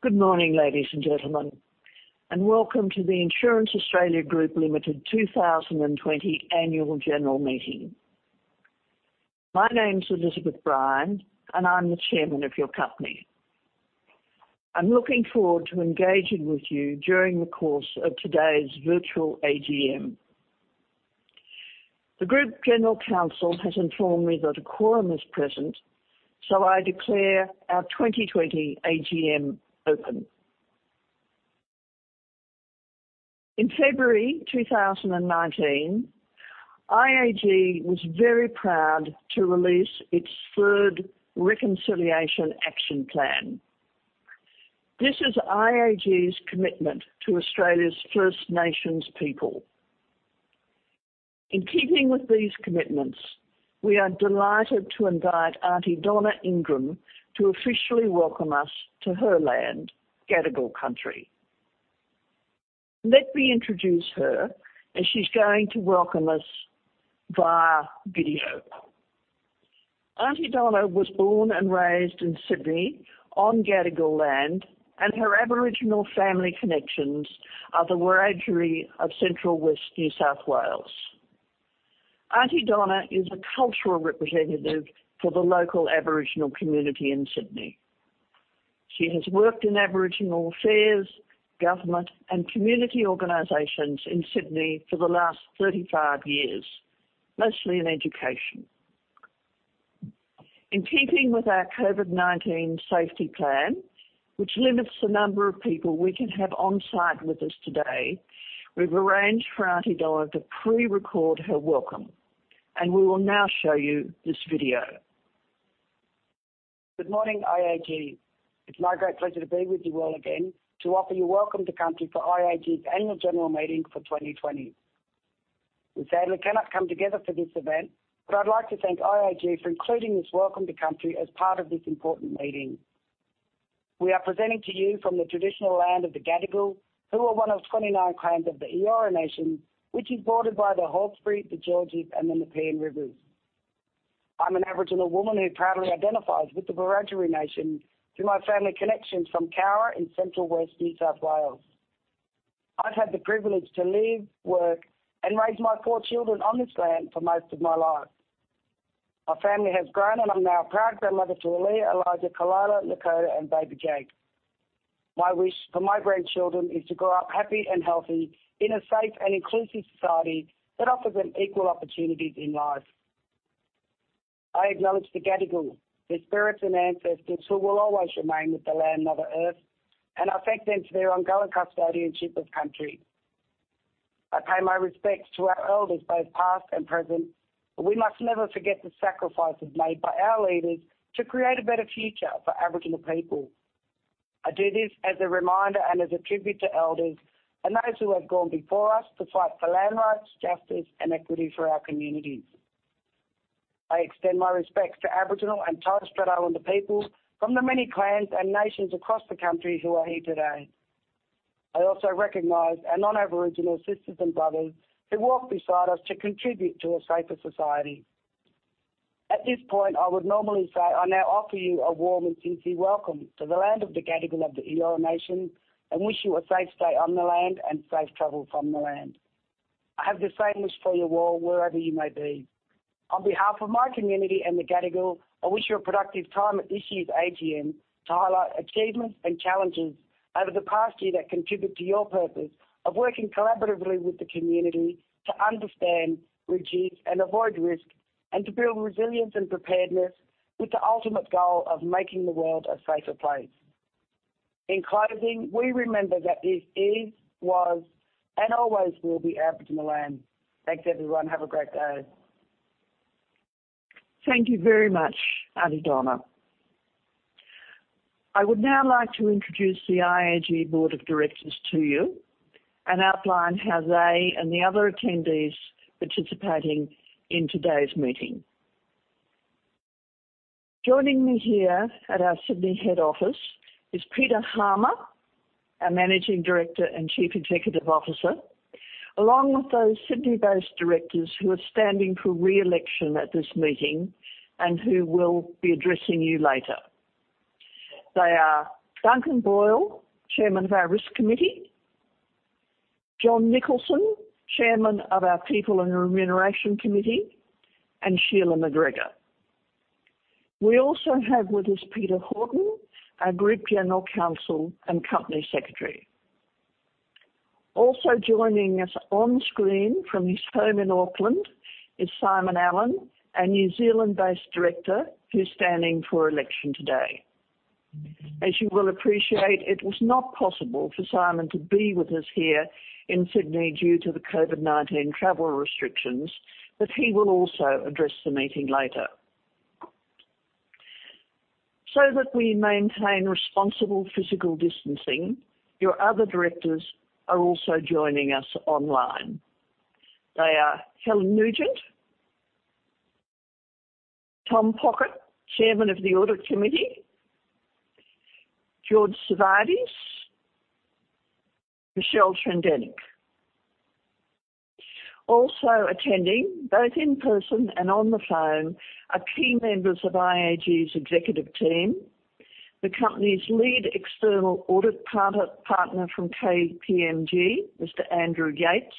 Good morning, ladies and gentlemen, and welcome to the Insurance Australia Group Limited 2020 Annual General Meeting. My name's Elizabeth Bryan, and I'm the chairman of your company. I'm looking forward to engaging with you during the course of today's virtual AGM. The group general counsel has informed me that a quorum is present, so I declare our 2020 AGM open. In February 2019, IAG was very proud to release its third Reconciliation Action Plan. This is IAG's commitment to Australia's First Nations people. In keeping with these commitments, we are delighted to invite Auntie Donna Ingram to officially welcome us to her land, Gadigal country. Let me introduce her as she's going to welcome us via video. Auntie Donna was born and raised in Sydney on Gadigal land, and her Aboriginal family connections are the Wiradjuri of central west New South Wales. Auntie Donna is a cultural representative for the local Aboriginal community in Sydney. She has worked in Aboriginal affairs, government, and community organizations in Sydney for the last 35 years, mostly in education. In keeping with our COVID-19 safety plan, which limits the number of people we can have on-site with us today, we've arranged for Auntie Donna to pre-record her welcome. We will now show you this video. Good morning, IAG. It's my great pleasure to be with you all again to offer you Welcome to Country for IAG's Annual General Meeting for 2020. We sadly cannot come together for this event, I'd like to thank IAG for including this Welcome to Country as part of this important meeting. We are presenting to you from the traditional land of the Gadigal, who are one of 29 clans of the Eora Nation, which is bordered by the Hawkesbury, the Georges, and the Nepean rivers. I'm an Aboriginal woman who proudly identifies with the Wiradjuri nation through my family connections from Cowra in central west New South Wales. I've had the privilege to live, work, and raise my four children on this land for most of my life. My family has grown, I'm now a proud grandmother to Aliyah, Elijah, Kalyra, Lakota, and baby Jake. My wish for my grandchildren is to grow up happy and healthy in a safe and inclusive society that offers them equal opportunities in life. I acknowledge the Gadigal, their spirits and ancestors who will always remain with the land, Mother Earth, and I thank them for their ongoing custodianship of Country. I pay my respects to our elders, both past and present, for we must never forget the sacrifices made by our leaders to create a better future for Aboriginal people. I do this as a reminder and as a tribute to elders and those who have gone before us to fight for land rights, justice, and equity for our communities. I extend my respects to Aboriginal and Torres Strait Islander people from the many clans and nations across the country who are here today. I also recognize our non-Aboriginal sisters and brothers who walk beside us to contribute to a safer society. At this point, I would normally say I now offer you a warm and sincere welcome to the land of the Gadigal of the Eora Nation and wish you a safe stay on the land and safe travel from the land. I have the same wish for you all wherever you may be. On behalf of my community and the Gadigal, I wish you a productive time at this year's AGM to highlight achievements and challenges over the past year that contribute to your purpose of working collaboratively with the community to understand, reduce, and avoid risk, and to build resilience and preparedness with the ultimate goal of making the world a safer place. In closing, we remember that this is, was, and always will be Aboriginal land. Thanks, everyone. Have a great day. Thank you very much, Auntie Donna. I would now like to introduce the IAG board of directors to you and outline how they and the other attendees participating in today's meeting. Joining me here at our Sydney head office is Peter Harmer, our Managing Director and Chief Executive Officer, along with those Sydney-based directors who are standing for re-election at this meeting and who will be addressing you later. They are Duncan Boyle, Chairman of our Risk Committee, Jon Nicholson, Chairman of our People and Remuneration Committee, and Sheila McGregor. We also have with us Peter Horton, our Group General Counsel and Company Secretary. Also joining us on screen from his home in Auckland is Simon Allen, a New Zealand-based director who is standing for election today. As you will appreciate, it was not possible for Simon to be with us here in Sydney due to the COVID-19 travel restrictions, but he will also address the meeting later. That we maintain responsible physical distancing, your other directors are also joining us online. They are Helen Nugent, Tom Pockett, Chairman of the Audit Committee, George Savvides, Michelle Tredenick. Also attending both in person and on the phone are key members of IAG's executive team, the company's lead external audit partner from KPMG, Mr. Andrew Yates,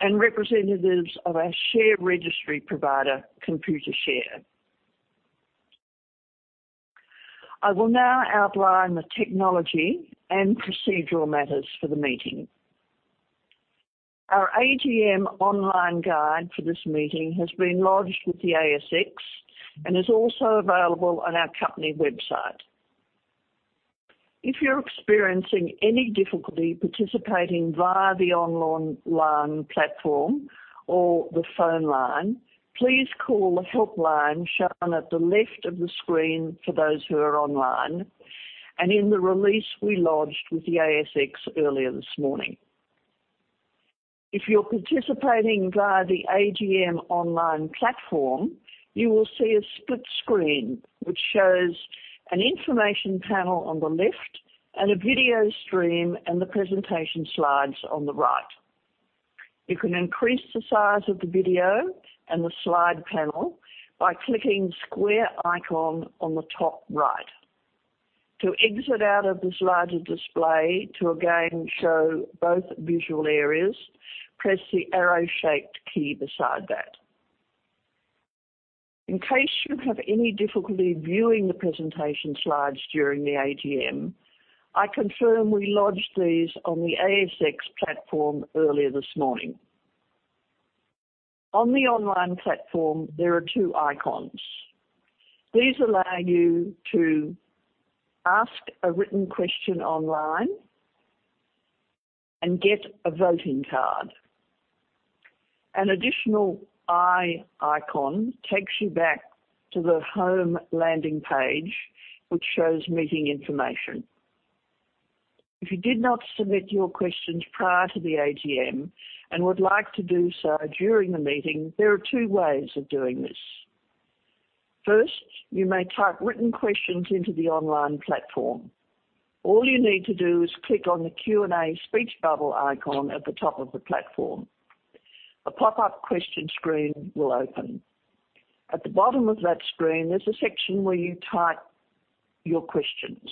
and representatives of our share registry provider, Computershare. I will now outline the technology and procedural matters for the meeting. Our AGM online guide for this meeting has been lodged with the ASX and is also available on our company website. If you're experiencing any difficulty participating via the online platform or the phone line, please call the helpline shown at the left of the screen for those who are online, and in the release we lodged with the ASX earlier this morning. If you're participating via the AGM online platform, you will see a split screen, which shows an information panel on the left and a video stream and the presentation slides on the right. You can increase the size of the video and the slide panel by clicking the square icon on the top right. To exit out of this larger display to again show both visual areas, press the arrow-shaped key beside that. In case you have any difficulty viewing the presentation slides during the AGM, I confirm we lodged these on the ASX platform earlier this morning. On the online platform, there are two icons. These allow you to ask a written question online and get a voting card. An additional eye icon takes you back to the home landing page, which shows meeting information. If you did not submit your questions prior to the AGM and would like to do so during the meeting, there are two ways of doing this. First, you may type written questions into the online platform. All you need to do is click on the Q&A speech bubble icon at the top of the platform. A pop-up question screen will open. At the bottom of that screen, there's a section where you type your questions.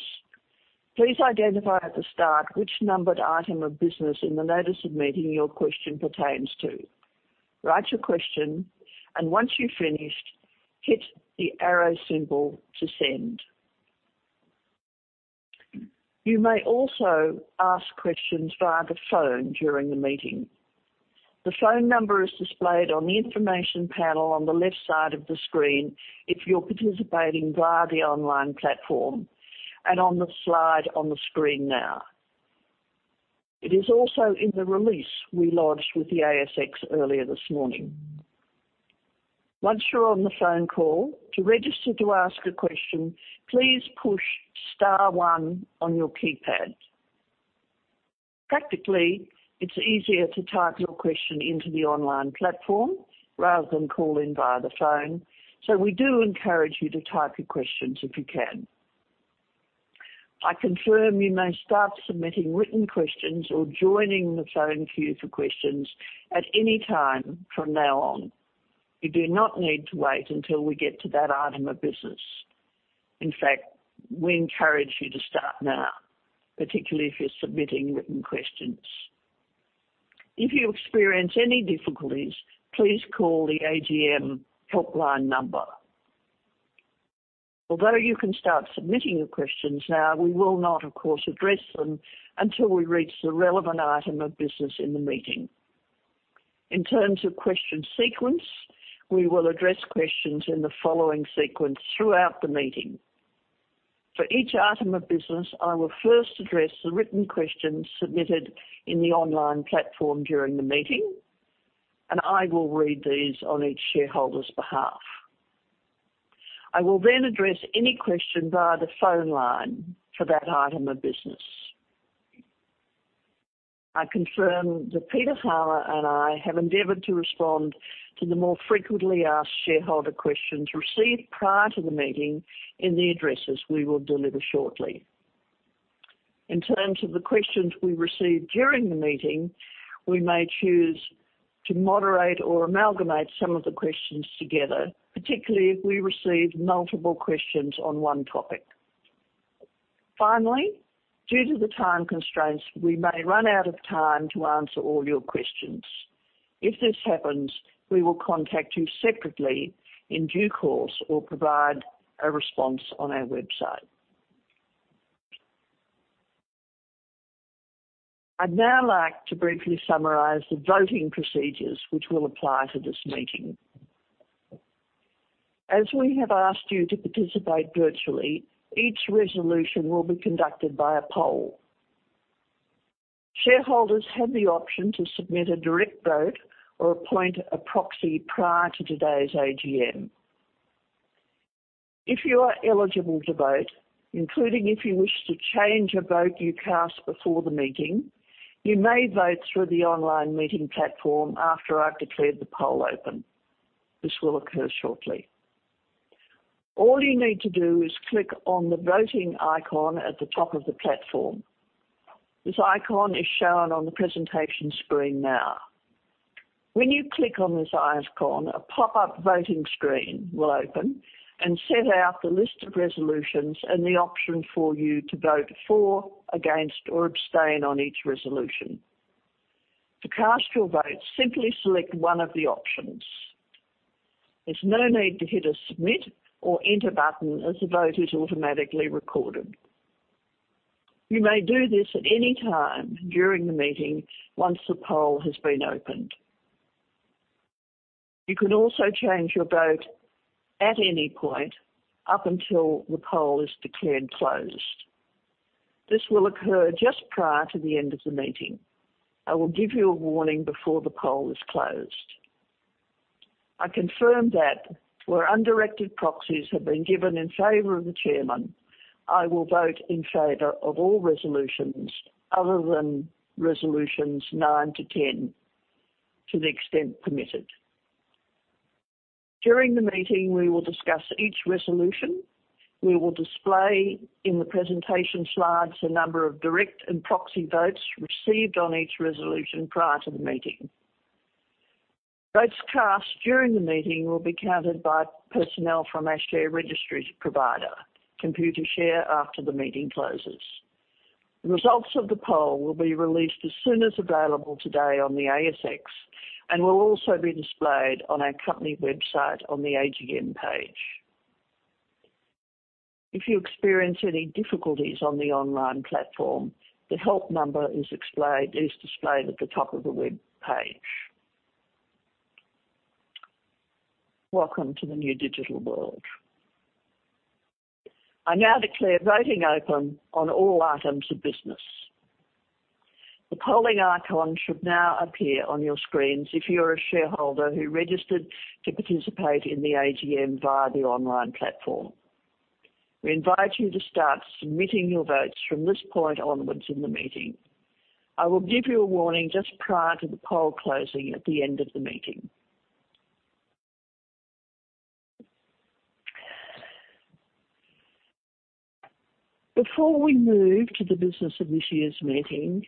Please identify at the start which numbered item of business in the notice of meeting your question pertains to. Write your question, and once you've finished, hit the arrow symbol to send. You may also ask questions via the phone during the meeting. The phone number is displayed on the information panel on the left side of the screen if you're participating via the online platform and on the slide on the screen now. It is also in the release we lodged with the ASX earlier this morning. Once you're on the phone call, to register to ask a question, please push star one on your keypad. Practically, it's easier to type your question into the online platform rather than call in via the phone. We do encourage you to type your questions if you can. I confirm you may start submitting written questions or joining the phone queue for questions at any time from now on. You do not need to wait until we get to that item of business. In fact, we encourage you to start now, particularly if you're submitting written questions. If you experience any difficulties, please call the AGM helpline number. Although you can start submitting your questions now, we will not, of course, address them until we reach the relevant item of business in the meeting. In terms of question sequence, we will address questions in the following sequence throughout the meeting. For each item of business, I will first address the written questions submitted in the online platform during the meeting, and I will read these on each shareholder's behalf. I will then address any question via the phone line for that item of business. I confirm that Peter Harmer and I have endeavored to respond to the more frequently asked shareholder questions received prior to the meeting in the addresses we will deliver shortly. In terms of the questions we receive during the meeting, we may choose to moderate or amalgamate some of the questions together, particularly if we receive multiple questions on one topic. Finally, due to the time constraints, we may run out of time to answer all your questions. If this happens, we will contact you separately in due course or provide a response on our website. I'd now like to briefly summarize the voting procedures which will apply to this meeting. As we have asked you to participate virtually, each resolution will be conducted by a poll. Shareholders have the option to submit a direct vote or appoint a proxy prior to today's AGM. If you are eligible to vote, including if you wish to change a vote you cast before the meeting, you may vote through the online meeting platform after I've declared the poll open. This will occur shortly. All you need to do is click on the voting icon at the top of the platform. This icon is shown on the presentation screen now. When you click on this icon, a pop-up voting screen will open and set out the list of resolutions and the option for you to vote for, against, or abstain on each resolution. To cast your vote, simply select one of the options. There's no need to hit a submit or enter button, as the vote is automatically recorded. You may do this at any time during the meeting once the poll has been opened. You can also change your vote at any point up until the poll is declared closed. This will occur just prior to the end of the meeting. I will give you a warning before the poll is closed. I confirm that where undirected proxies have been given in favor of the chairman, I will vote in favor of all resolutions other than Resolutions 9 to 10 to the extent permitted. During the meeting, we will discuss each resolution. We will display in the presentation slides the number of direct and proxy votes received on each resolution prior to the meeting. Votes cast during the meeting will be counted by personnel from our share registry provider, Computershare, after the meeting closes. The results of the poll will be released as soon as available today on the ASX and will also be displayed on our company website on the AGM page. If you experience any difficulties on the online platform, the help number is displayed at the top of the web page. Welcome to the new digital world. I now declare voting open on all items of business. The polling icon should now appear on your screens if you're a shareholder who registered to participate in the AGM via the online platform. We invite you to start submitting your votes from this point onwards in the meeting. I will give you a warning just prior to the poll closing at the end of the meeting. Before we move to the business of this year's meeting,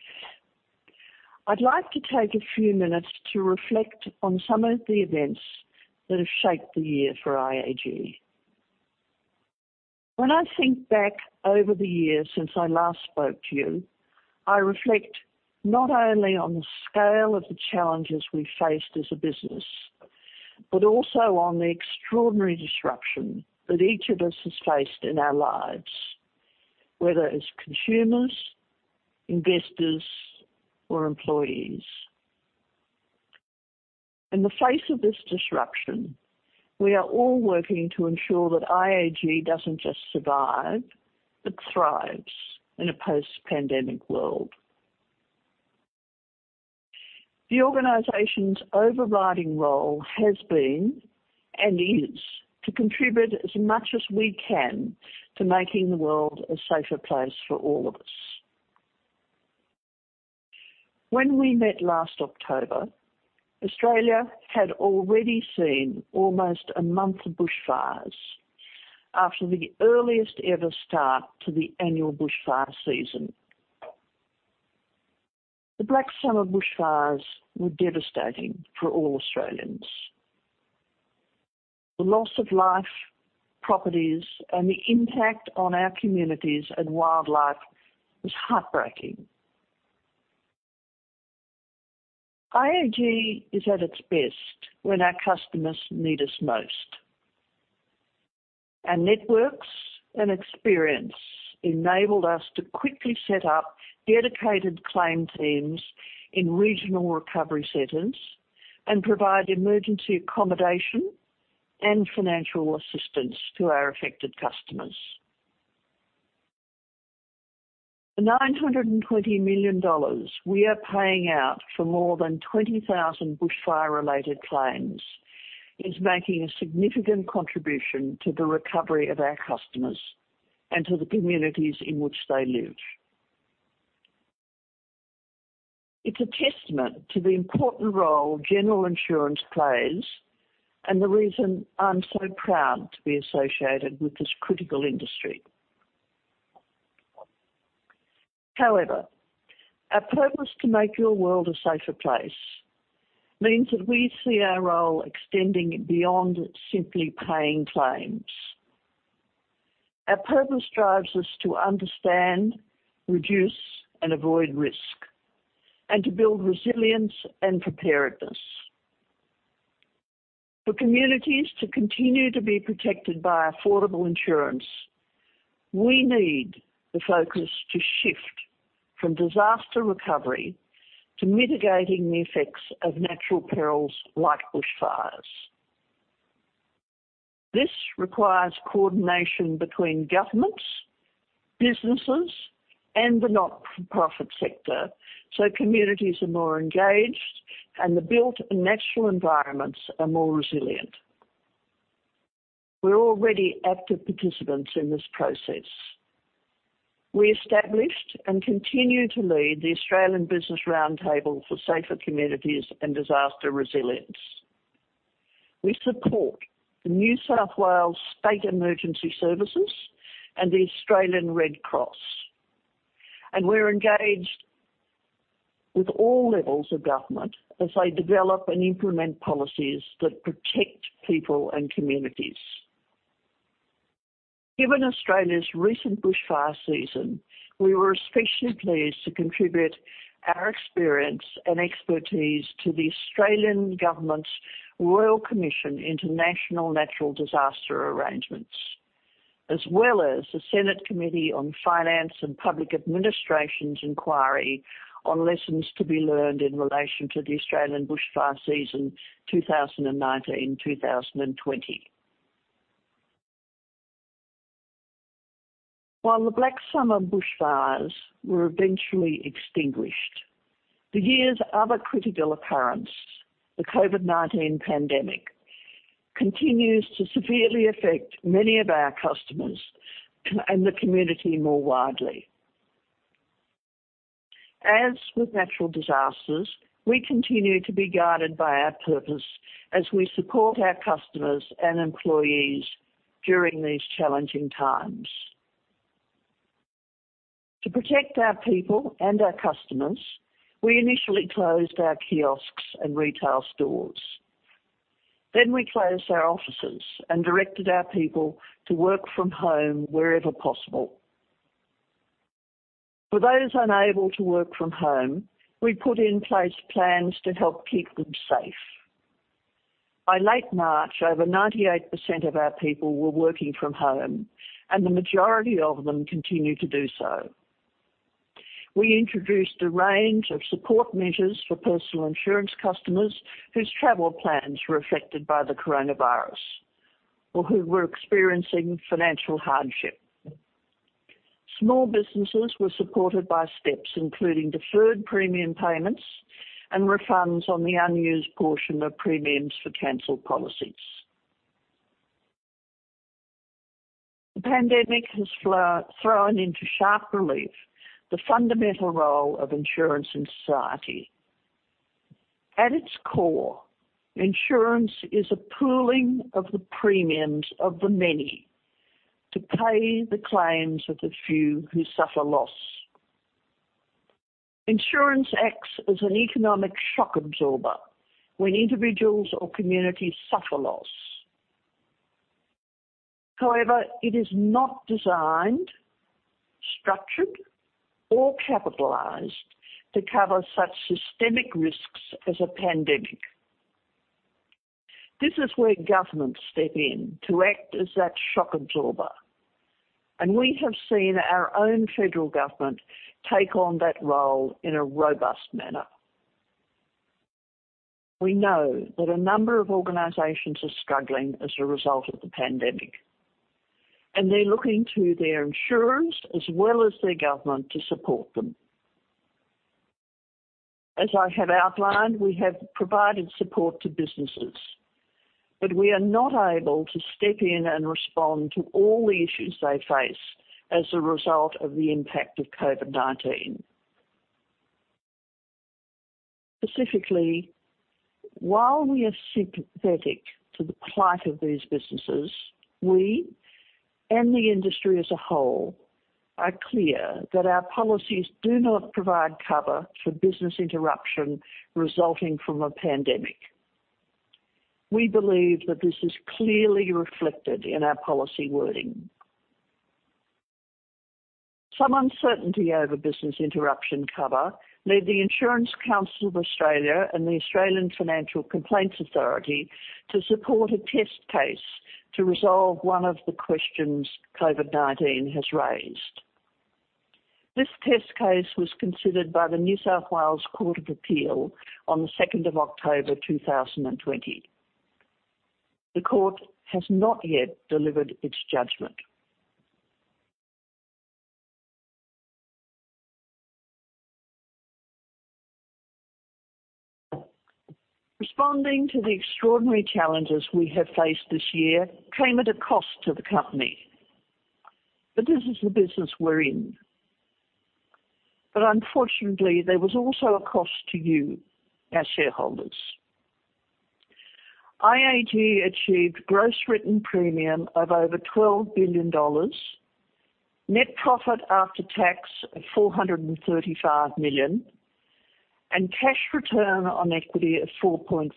I'd like to take a few minutes to reflect on some of the events that have shaped the year for IAG. When I think back over the year since I last spoke to you, I reflect not only on the scale of the challenges we faced as a business, but also on the extraordinary disruption that each of us has faced in our lives, whether as consumers, investors, or employees. In the face of this disruption, we are all working to ensure that IAG doesn't just survive but thrives in a post-pandemic world. The organization's overriding role has been and is to contribute as much as we can to making the world a safer place for all of us. When we met last October, Australia had already seen almost a month of bushfires after the earliest ever start to the annual bushfire season. The Black Summer bushfires were devastating for all Australians. The loss of life, properties, and the impact on our communities and wildlife was heartbreaking. IAG is at its best when our customers need us most. Our networks and experience enabled us to quickly set up dedicated claim teams in regional recovery centers and provide emergency accommodation and financial assistance to our affected customers. The 920 million dollars we are paying out for more than 20,000 bushfire-related claims is making a significant contribution to the recovery of our customers and to the communities in which they live. It's a testament to the important role general insurance plays and the reason I'm so proud to be associated with this critical industry. However, our purpose to make your world a safer place means that we see our role extending beyond simply paying claims. Our purpose drives us to understand, reduce, and avoid risk, and to build resilience and preparedness. For communities to continue to be protected by affordable insurance, we need the focus to shift from disaster recovery to mitigating the effects of natural perils like bushfires. This requires coordination between governments, businesses, and the not-for-profit sector so communities are more engaged and the built and natural environments are more resilient. We're already active participants in this process. We established and continue to lead the Australian Business Roundtable for Safer Communities and Disaster Resilience. We support the New South Wales State Emergency Service and the Australian Red Cross. We're engaged with all levels of government as they develop and implement policies that protect people and communities. Given Australia's recent bushfire season, we were especially pleased to contribute our experience and expertise to the Australian government's Royal Commission into National Natural Disaster Arrangements, as well as the Senate Committee on Finance and Public Administration's inquiry on lessons to be learned in relation to the Australian bushfire season 2019-2020. While the Black Summer bushfires were eventually extinguished, the year's other critical occurrence, the COVID-19 pandemic, continues to severely affect many of our customers and the community more widely. As with natural disasters, we continue to be guided by our purpose as we support our customers and employees during these challenging times. To protect our people and our customers, we initially closed our kiosks and retail stores. We closed our offices and directed our people to work from home wherever possible. For those unable to work from home, we put in place plans to help keep them safe. By late March, over 98% of our people were working from home, and the majority of them continue to do so. We introduced a range of support measures for personal insurance customers whose travel plans were affected by COVID-19 or who were experiencing financial hardship. Small businesses were supported by steps including deferred premium payments and refunds on the unused portion of premiums for canceled policies. The pandemic has thrown into sharp relief the fundamental role of insurance in society. At its core, insurance is a pooling of the premiums of the many to pay the claims of the few who suffer loss. Insurance acts as an economic shock absorber when individuals or communities suffer loss. However, it is not designed, structured, or capitalized to cover such systemic risks as a pandemic. This is where governments step in to act as that shock absorber, and we have seen our own federal government take on that role in a robust manner. We know that a number of organizations are struggling as a result of the pandemic, and they're looking to their insurance as well as their government to support them. As I have outlined, we have provided support to businesses, but we are not able to step in and respond to all the issues they face as a result of the impact of COVID-19. Specifically, while we are sympathetic to the plight of these businesses, we and the industry as a whole are clear that our policies do not provide cover for business interruption resulting from a pandemic. We believe that this is clearly reflected in our policy wording. Some uncertainty over business interruption cover led the Insurance Council of Australia and the Australian Financial Complaints Authority to support a test case to resolve one of the questions COVID-19 has raised. This test case was considered by the New South Wales Court of Appeal on the 2nd of October, 2020. The court has not yet delivered its judgment. Responding to the extraordinary challenges we have faced this year came at a cost to the company, but this is the business we're in. Unfortunately, there was also a cost to you, our shareholders. IAG achieved gross written premium of over 12 billion dollars, net profit after tax of 435 million, and cash return on equity of 4.5%.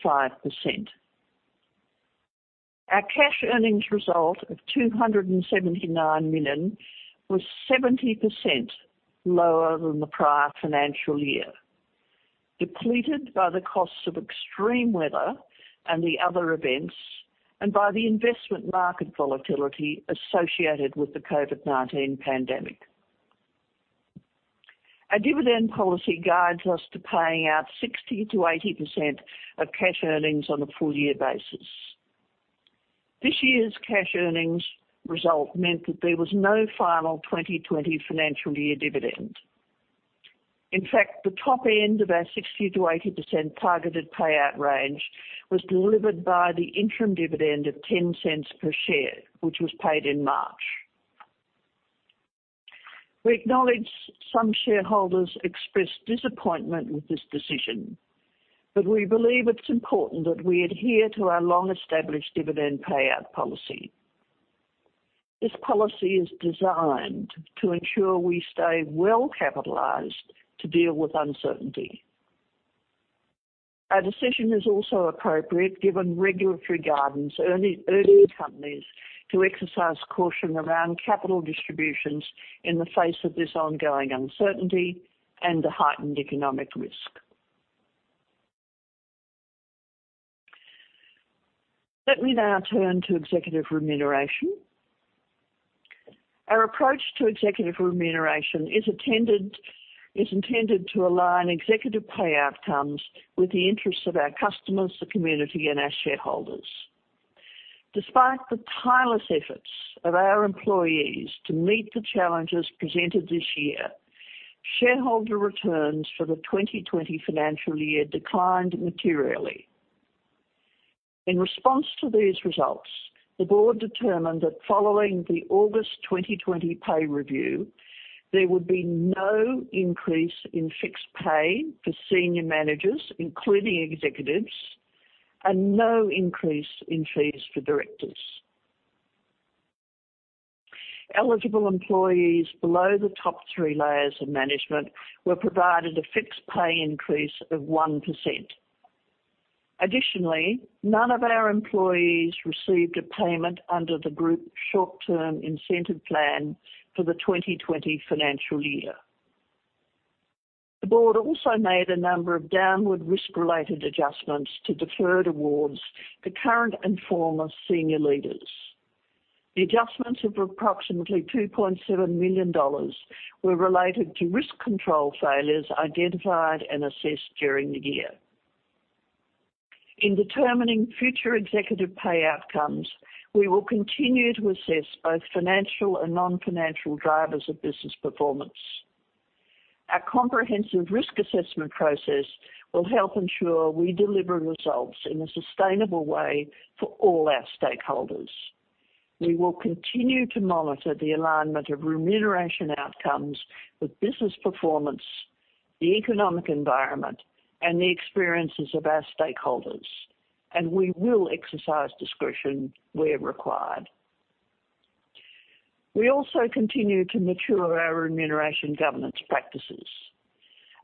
Our cash earnings result of 279 million was 70% lower than the prior financial year, depleted by the costs of extreme weather and the other events and by the investment market volatility associated with the COVID-19 pandemic. Our dividend policy guides us to paying out 60%-80% of cash earnings on a full year basis. This year's cash earnings result meant that there was no final 2020 financial year dividend. In fact, the top end of our 60%-80% targeted payout range was delivered by the interim dividend of 0.10 per share, which was paid in March. We acknowledge some shareholders expressed disappointment with this decision, but we believe it's important that we adhere to our long-established dividend payout policy. This policy is designed to ensure we stay well-capitalized to deal with uncertainty. Our decision is also appropriate given regulatory guidance urging companies to exercise caution around capital distributions in the face of this ongoing uncertainty and the heightened economic risk. Let me now turn to executive remuneration. Our approach to executive remuneration is intended to align executive payout outcomes with the interests of our customers, the community, and our shareholders. Despite the tireless efforts of our employees to meet the challenges presented this year, shareholder returns for the 2020 financial year declined materially. In response to these results, the board determined that following the August 2020 pay review, there would be no increase in fixed pay for senior managers, including executives, and no increase in fees for directors. Eligible employees below the top three layers of management were provided a fixed pay increase of 1%. Additionally, none of our employees received a payment under the group short-term incentive plan for the 2020 financial year. The board also made a number of downward risk-related adjustments to deferred awards to current and former senior leaders. The adjustments of approximately 2.7 million dollars were related to risk control failures identified and assessed during the year. In determining future executive pay outcomes, we will continue to assess both financial and non-financial drivers of business performance. Our comprehensive risk assessment process will help ensure we deliver results in a sustainable way for all our stakeholders. We will continue to monitor the alignment of remuneration outcomes with business performance, the economic environment, and the experiences of our stakeholders, and we will exercise discretion where required. We also continue to mature our remuneration governance practices.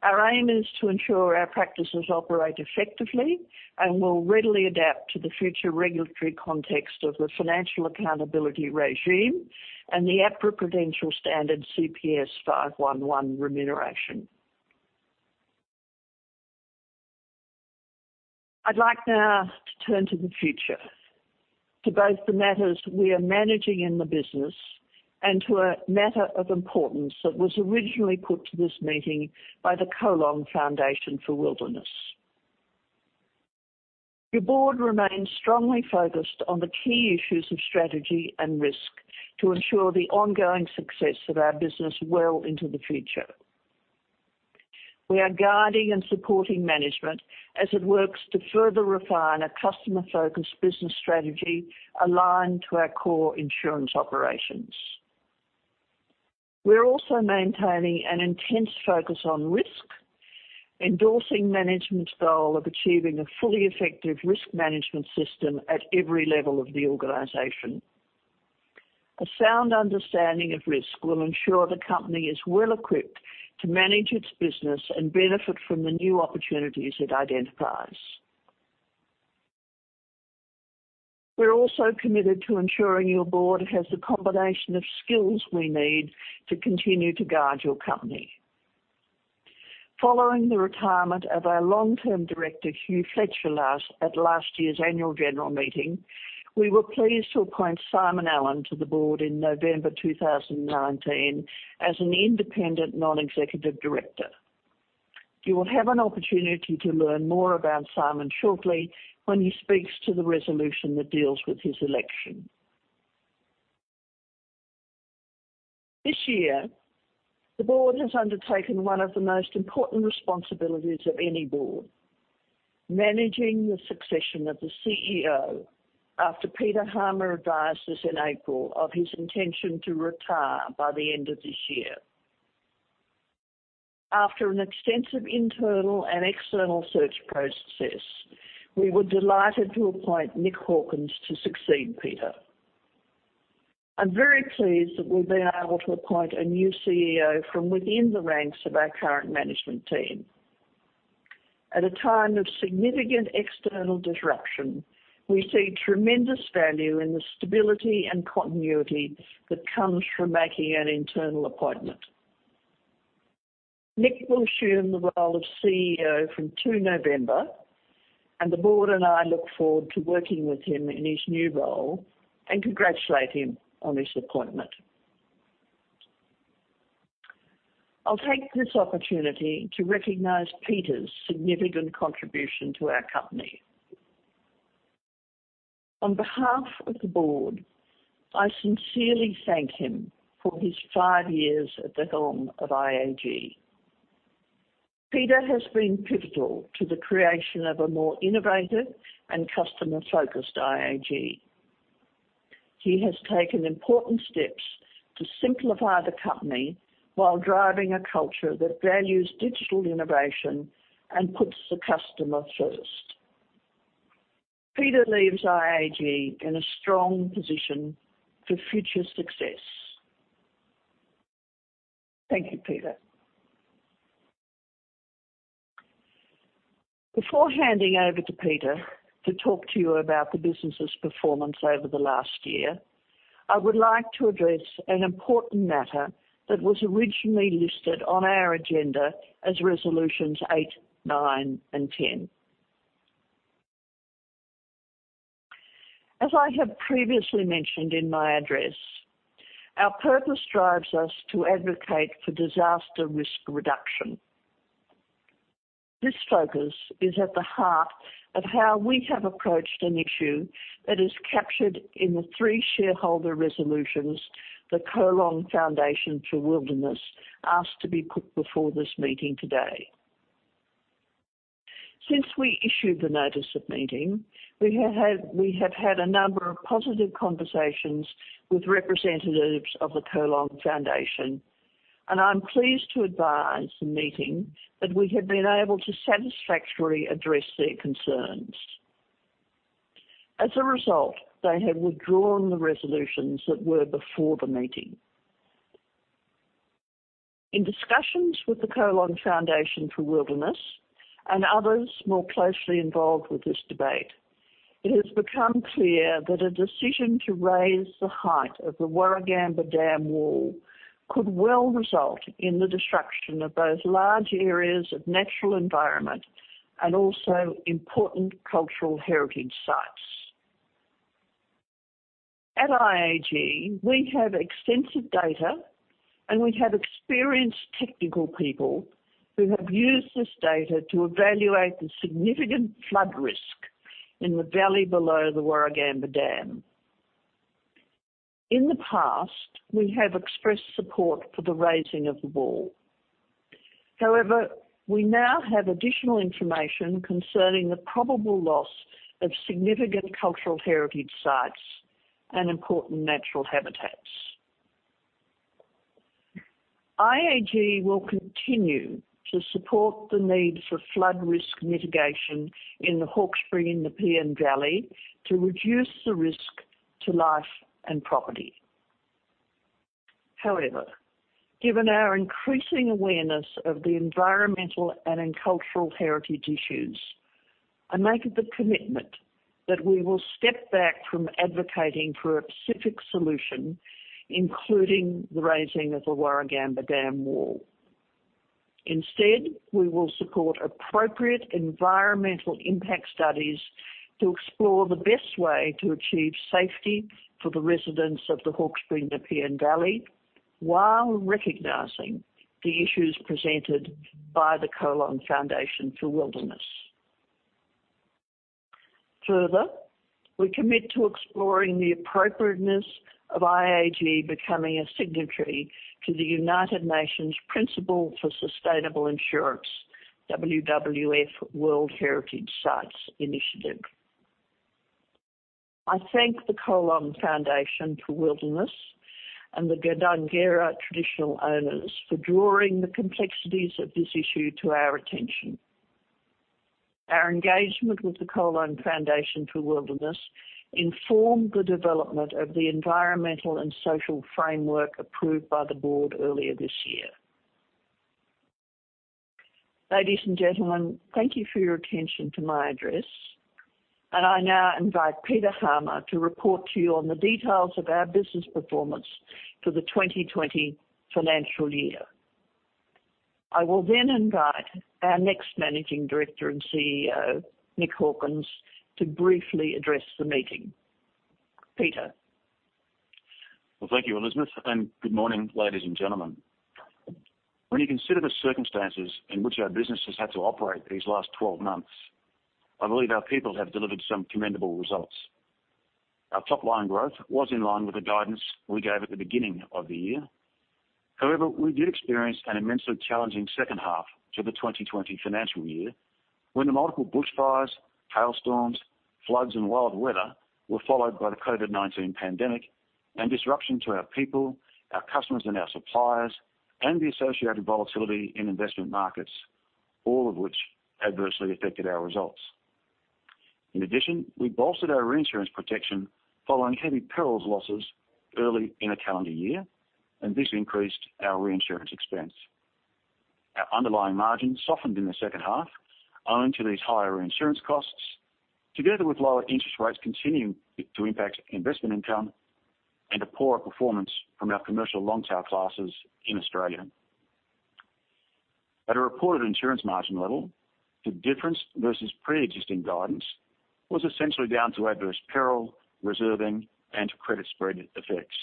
Our aim is to ensure our practices operate effectively and will readily adapt to the future regulatory context of the Financial Accountability Regime and the APRA Prudential Standard CPS 511 remuneration. I'd like now to turn to the future, to both the matters we are managing in the business and to a matter of importance that was originally put to this meeting by the Colong Foundation for Wilderness. Your board remains strongly focused on the key issues of strategy and risk to ensure the ongoing success of our business well into the future. We are guiding and supporting management as it works to further refine a customer-focused business strategy aligned to our core insurance operations. We're also maintaining an intense focus on risk, endorsing management's goal of achieving a fully effective risk management system at every level of the organization. A sound understanding of risk will ensure the company is well equipped to manage its business and benefit from the new opportunities it identifies. We're also committed to ensuring your board has the combination of skills we need to continue to guide your company. Following the retirement of our long-term director, Hugh Fletcher, at last year's annual general meeting, we were pleased to appoint Simon Allen to the board in November 2019 as an independent non-executive director. You will have an opportunity to learn more about Simon shortly when he speaks to the resolution that deals with his election. This year, the board has undertaken one of the most important responsibilities of any board, managing the succession of the CEO after Peter Harmer advised us in April of his intention to retire by the end of this year. After an extensive internal and external search process, we were delighted to appoint Nick Hawkins to succeed Peter. I'm very pleased that we've been able to appoint a new CEO from within the ranks of our current management team. At a time of significant external disruption, we see tremendous value in the stability and continuity that comes from making an internal appointment. Nick will assume the role of CEO from two November, the board and I look forward to working with him in his new role and congratulate him on his appointment. I'll take this opportunity to recognize Peter's significant contribution to our company. On behalf of the board, I sincerely thank him for his five years at the helm of IAG. Peter has been pivotal to the creation of a more innovative and customer-focused IAG. He has taken important steps to simplify the company while driving a culture that values digital innovation and puts the customer first. Peter leaves IAG in a strong position for future success. Thank you, Peter. Before handing over to Peter to talk to you about the business's performance over the last year, I would like to address an important matter that was originally listed on our agenda as Resolutions Eight, Nine, and 10. As I have previously mentioned in my address, our purpose drives us to advocate for disaster risk reduction. This focus is at the heart of how we have approached an issue that is captured in the three shareholder resolutions the Colong Foundation for Wilderness asked to be put before this meeting today. Since we issued the notice of meeting, we have had a number of positive conversations with representatives of the Colong Foundation, and I'm pleased to advise the meeting that we have been able to satisfactorily address their concerns. As a result, they have withdrawn the resolutions that were before the meeting. In discussions with the Colong Foundation for Wilderness and others more closely involved with this debate, it has become clear that a decision to raise the height of the Warragamba Dam wall could well result in the destruction of both large areas of natural environment and also important cultural heritage sites. At IAG, we have extensive data, and we have experienced technical people who have used this data to evaluate the significant flood risk in the valley below the Warragamba Dam. In the past, we have expressed support for the raising of the wall. However, we now have additional information concerning the probable loss of significant cultural heritage sites and important natural habitats. IAG will continue to support the need for flood risk mitigation in the Hawkesbury-Nepean Valley to reduce the risk to life and property. However, given our increasing awareness of the environmental and cultural heritage issues, I make the commitment that we will step back from advocating for a specific solution, including the raising of the Warragamba Dam wall. Instead, we will support appropriate environmental impact studies to explore the best way to achieve safety for the residents of the Hawkesbury-Nepean Valley while recognizing the issues presented by the Colong Foundation for Wilderness. Further, we commit to exploring the appropriateness of IAG becoming a signatory to the United Nations Principles for Sustainable Insurance, WWF World Heritage Sites Initiative. I thank the Colong Foundation for Wilderness and the Gundungurra traditional owners for drawing the complexities of this issue to our attention. Our engagement with the Colong Foundation for Wilderness informed the development of the environmental and social framework approved by the board earlier this year. Ladies and gentlemen, thank you for your attention to my address, and I now invite Peter Harmer to report to you on the details of our business performance for the 2020 financial year. I will invite our next Managing Director and CEO, Nick Hawkins, to briefly address the meeting. Peter. Well, thank you, Elizabeth, and good morning, ladies and gentlemen. When you consider the circumstances in which our business has had to operate these last 12 months, I believe our people have delivered some commendable results. Our top-line growth was in line with the guidance we gave at the beginning of the year. We did experience an immensely challenging second half to the 2020 financial year when the multiple bushfires, hailstorms, floods, and wild weather were followed by the COVID-19 pandemic and disruption to our people, our customers, and our suppliers, and the associated volatility in investment markets, all of which adversely affected our results. In addition, we bolstered our reinsurance protection following heavy perils losses early in the calendar year, and this increased our reinsurance expense. Our underlying margins softened in the second half owing to these higher reinsurance costs, together with lower interest rates continuing to impact investment income and a poorer performance from our commercial long-tail classes in Australia. At a reported insurance margin level, the difference versus preexisting guidance was essentially down to adverse peril, reserving, and credit spread effects.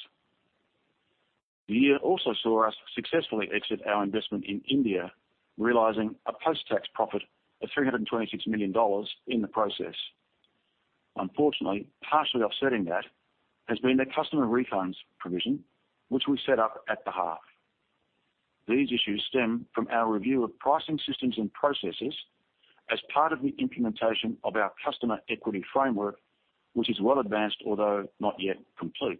The year also saw us successfully exit our investment in India, realizing a post-tax profit of 326 million dollars in the process. Unfortunately, partially offsetting that has been the customer refunds provision, which we set up at the half. These issues stem from our review of pricing systems and processes as part of the implementation of our Customer Equity Framework, which is well advanced, although not yet complete.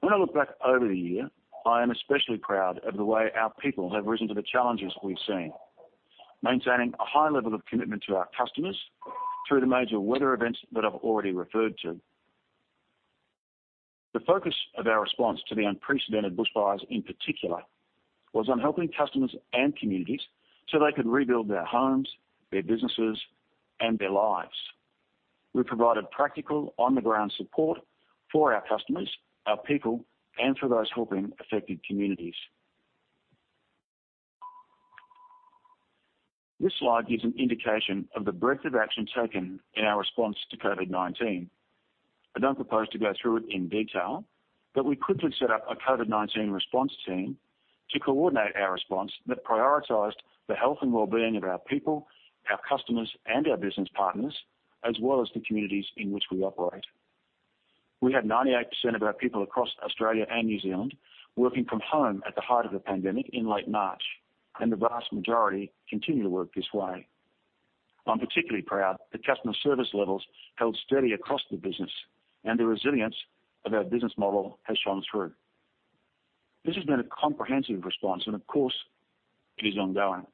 When I look back over the year, I am especially proud of the way our people have risen to the challenges we've seen, maintaining a high level of commitment to our customers through the major weather events that I've already referred to. The focus of our response to the unprecedented bushfires, in particular, was on helping customers and communities so they could rebuild their homes, their businesses, and their lives. We provided practical, on-the-ground support for our customers, our people, and for those helping affected communities. This slide gives an indication of the breadth of action taken in our response to COVID-19. I don't propose to go through it in detail. We quickly set up a COVID-19 response team to coordinate our response that prioritized the health and wellbeing of our people, our customers, and our business partners, as well as the communities in which we operate. We had 98% of our people across Australia and New Zealand working from home at the height of the pandemic in late March, and the vast majority continue to work this way. I'm particularly proud that customer service levels held steady across the business and the resilience of our business model has shone through. This has been a comprehensive response, and of course, it is ongoing.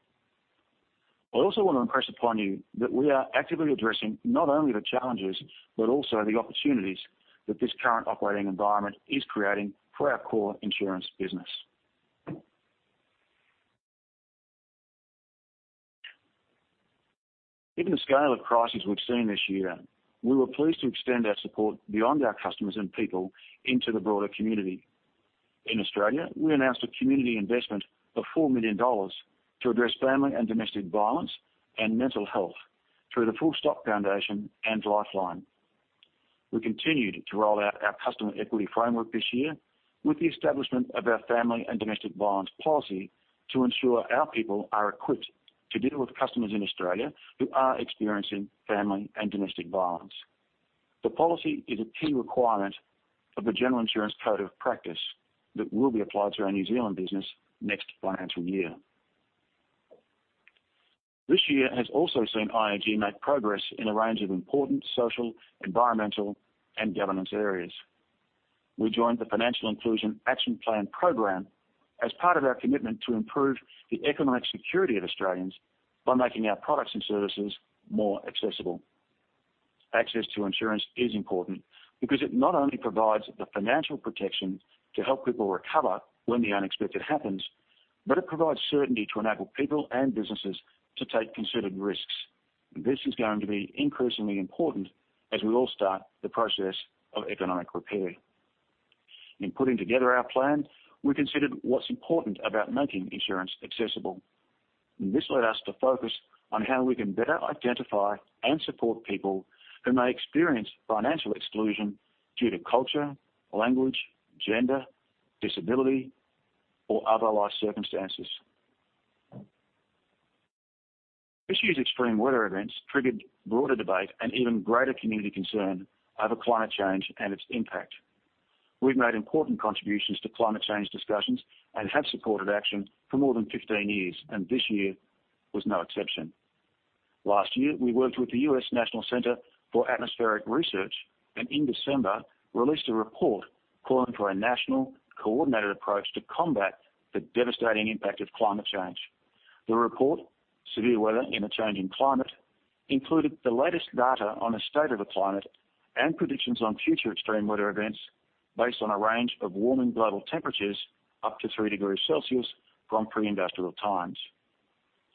I also want to impress upon you that we are actively addressing not only the challenges, but also the opportunities that this current operating environment is creating for our core insurance business. Given the scale of crises we've seen this year, we were pleased to extend our support beyond our customers and people into the broader community. In Australia, we announced a community investment of 4 million dollars to address family and domestic violence and mental health through the Full Stop Foundation and Lifeline. We continued to roll out our Customer Equity Framework this year with the establishment of our family and domestic violence policy to ensure our people are equipped to deal with customers in Australia who are experiencing family and domestic violence. The policy is a key requirement of the General Insurance Code of Practice that will be applied to our New Zealand business next financial year. This year has also seen IAG make progress in a range of important social, environmental, and governance areas. We joined the Financial Inclusion Action Plan program as part of our commitment to improve the economic security of Australians by making our products and services more accessible. Access to insurance is important because it not only provides the financial protection to help people recover when the unexpected happens, but it provides certainty to enable people and businesses to take considered risks. This is going to be increasingly important as we all start the process of economic repair. In putting together our plan, we considered what's important about making insurance accessible, and this led us to focus on how we can better identify and support people who may experience financial exclusion due to culture, language, gender, disability, or other life circumstances. This year's extreme weather events triggered broader debate and even greater community concern over climate change and its impact. We've made important contributions to climate change discussions and have supported action for more than 15 years, and this year was no exception. Last year, we worked with the U.S. National Center for Atmospheric Research, and in December released a report calling for a national coordinated approach to combat the devastating impact of climate change. The report, "Severe Weather in a Changing Climate," included the latest data on the state of the climate and predictions on future extreme weather events based on a range of warming global temperatures up to 3 degrees Celsius from pre-industrial times.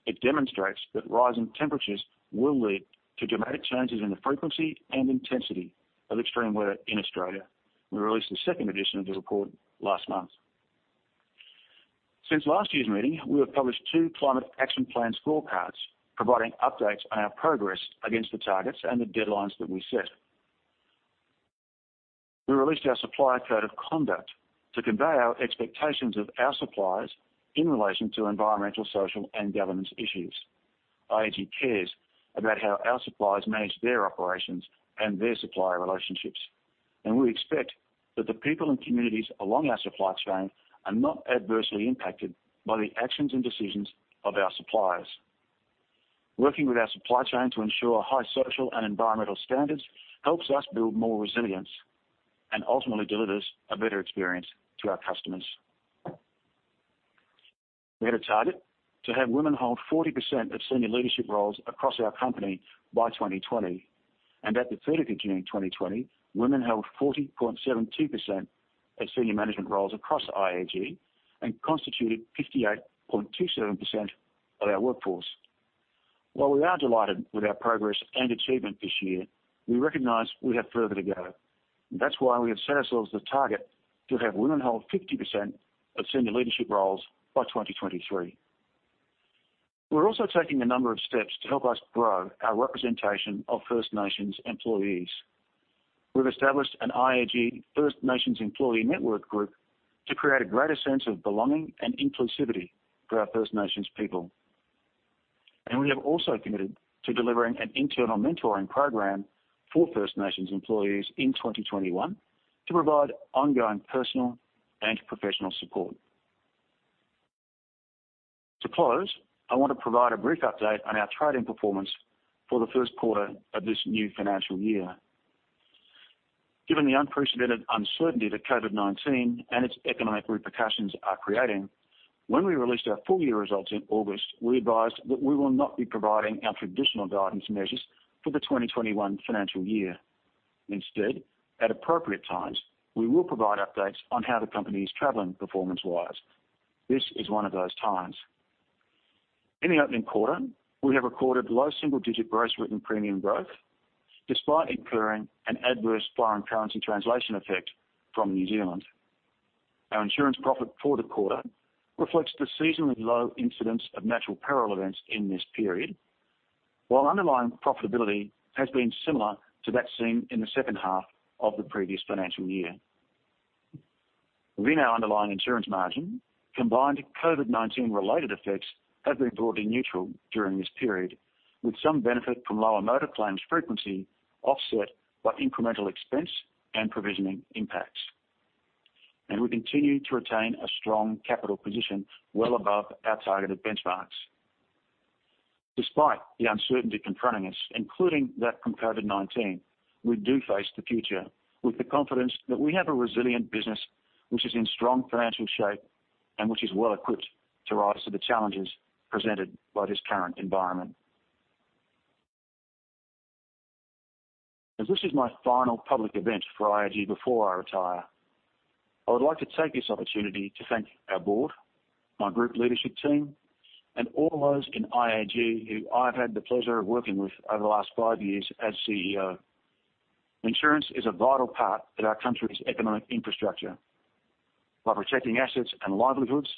It demonstrates that rising temperatures will lead to dramatic changes in the frequency and intensity of extreme weather in Australia. We released the second edition of the report last month. Since last year's meeting, we have published two climate action plan scorecards providing updates on our progress against the targets and the deadlines that we set. We released our supplier code of conduct to convey our expectations of our suppliers in relation to environmental, social, and governance issues. IAG cares about how our suppliers manage their operations and their supplier relationships, and we expect that the people and communities along our supply chain are not adversely impacted by the actions and decisions of our suppliers. Working with our supply chain to ensure high social and environmental standards helps us build more resilience and ultimately delivers a better experience to our customers. We had a target to have women hold 40% of senior leadership roles across our company by 2020, and at the 30th of June 2020, women held 40.72% of senior management roles across IAG and constituted 58.27% of our workforce. While we are delighted with our progress and achievement this year, we recognize we have further to go. That's why we have set ourselves the target to have women hold 50% of senior leadership roles by 2023. We're also taking a number of steps to help us grow our representation of First Nations employees. We've established an IAG First Nations employee network group to create a greater sense of belonging and inclusivity for our First Nations people. We have also committed to delivering an internal mentoring program for First Nations employees in 2021 to provide ongoing personal and professional support. To close, I want to provide a brief update on our trading performance for the first quarter of this new financial year. Given the unprecedented uncertainty that COVID-19 and its economic repercussions are creating, when we released our full year results in August, we advised that we will not be providing our traditional guidance measures for the 2021 financial year. Instead, at appropriate times, we will provide updates on how the company is traveling performance-wise. This is one of those times. In the opening quarter, we have recorded low single-digit gross written premium growth despite incurring an adverse foreign currency translation effect from New Zealand. Our insurance profit for the quarter reflects the seasonally low incidence of natural peril events in this period, while underlying profitability has been similar to that seen in the second half of the previous financial year. Underlying insurance margin combined COVID-19 related effects have been broadly neutral during this period, with some benefit from lower motor claims frequency offset by incremental expense and provisioning impacts. We continue to retain a strong capital position well above our targeted benchmarks. Despite the uncertainty confronting us, including that from COVID-19, we do face the future with the confidence that we have a resilient business which is in strong financial shape and which is well-equipped to rise to the challenges presented by this current environment. As this is my final public event for IAG before I retire, I would like to take this opportunity to thank our board, my group leadership team, and all those in IAG who I've had the pleasure of working with over the last five years as CEO. Insurance is a vital part of our country's economic infrastructure. By protecting assets and livelihoods,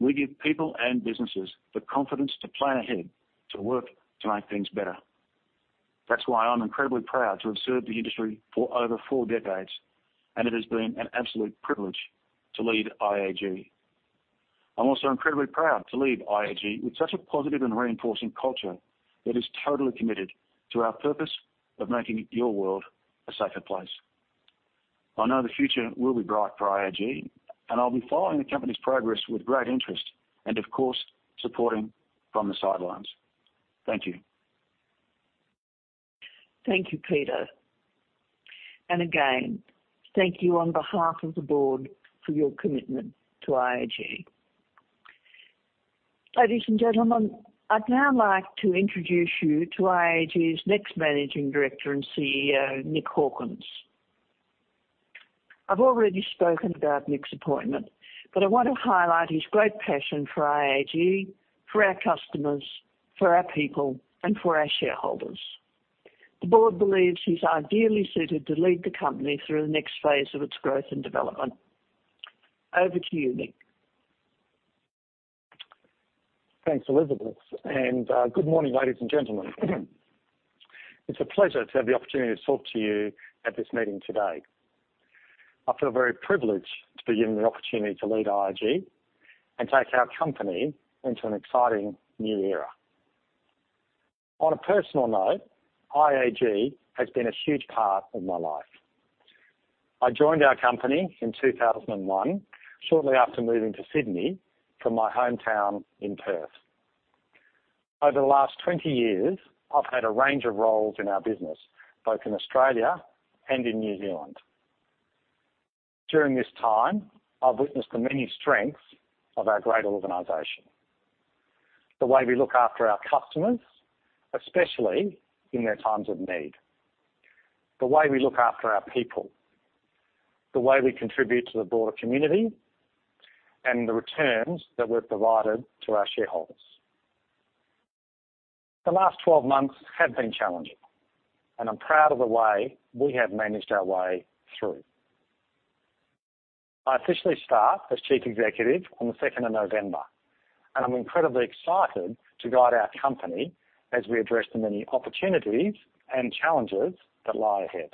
we give people and businesses the confidence to plan ahead, to work, to make things better. That's why I'm incredibly proud to have served the industry for over four decades, and it has been an absolute privilege to lead IAG. I'm also incredibly proud to leave IAG with such a positive and reinforcing culture that is totally committed to our purpose of making your world a safer place. I know the future will be bright for IAG, and I'll be following the company's progress with great interest, and of course, supporting from the sidelines. Thank you. Thank you, Peter. Again, thank you on behalf of the board for your commitment to IAG. Ladies and gentlemen, I'd now like to introduce you to IAG's next Managing Director and CEO, Nick Hawkins. I've already spoken about Nick's appointment, I want to highlight his great passion for IAG, for our customers, for our people, and for our shareholders. The board believes he's ideally suited to lead the company through the next phase of its growth and development. Over to you, Nick.- Thanks, Elizabeth. Good morning, ladies and gentlemen. It's a pleasure to have the opportunity to talk to you at this meeting today. I feel very privileged to be given the opportunity to lead IAG and take our company into an exciting new era. On a personal note, IAG has been a huge part of my life. I joined our company in 2001, shortly after moving to Sydney from my hometown in Perth. Over the last 20 years, I've had a range of roles in our business, both in Australia and in New Zealand. During this time, I've witnessed the many strengths of our great organization. The way we look after our customers, especially in their times of need. The way we look after our people. The way we contribute to the broader community, and the returns that we've provided to our shareholders. The last 12 months have been challenging, and I'm proud of the way we have managed our way through. I officially start as Chief Executive on the 2nd of November, and I'm incredibly excited to guide our company as we address the many opportunities and challenges that lie ahead.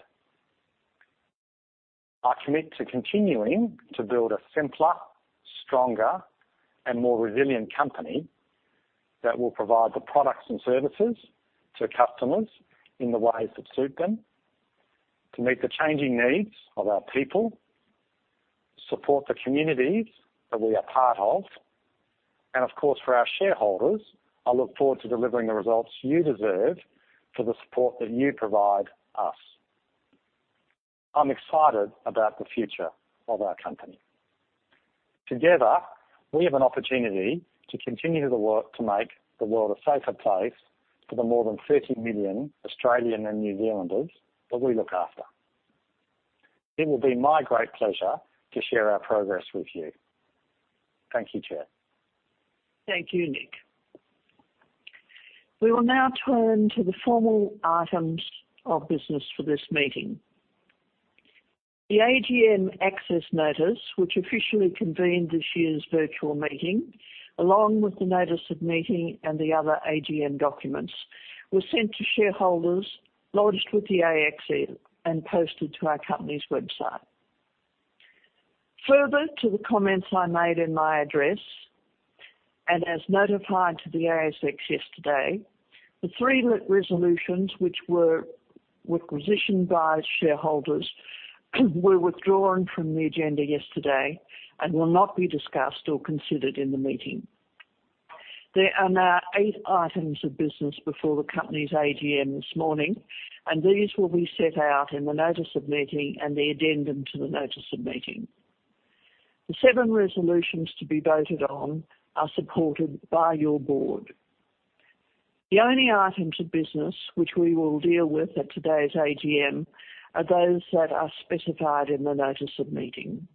I commit to continuing to build a simpler, stronger, and more resilient company that will provide the products and services to customers in the ways that suit them, to meet the changing needs of our people, support the communities that we are part of, and of course, for our shareholders, I look forward to delivering the results you deserve for the support that you provide us. I'm excited about the future of our company. Together, we have an opportunity to continue the work to make the world a safer place for the more than 30 million Australian and New Zealanders that we look after. It will be my great pleasure to share our progress with you. Thank you, Chair. Thank you, Nick. We will now turn to the formal items of business for this meeting. The AGM access notice, which officially convened this year's virtual meeting, along with the notice of meeting and the other AGM documents, was sent to shareholders, lodged with the ASX, and posted to our company's website. Further to the comments I made in my address, as notified to the ASX yesterday, the three resolutions which were requisitioned by shareholders were withdrawn from the agenda yesterday and will not be discussed or considered in the meeting. There are now eight items of business before the company's AGM this morning, and these will be set out in the notice of meeting and the addendum to the notice of meeting. The seven resolutions to be voted on are supported by your board. The only items of business which we will deal with at today's AGM are those that are specified in the notice of meeting.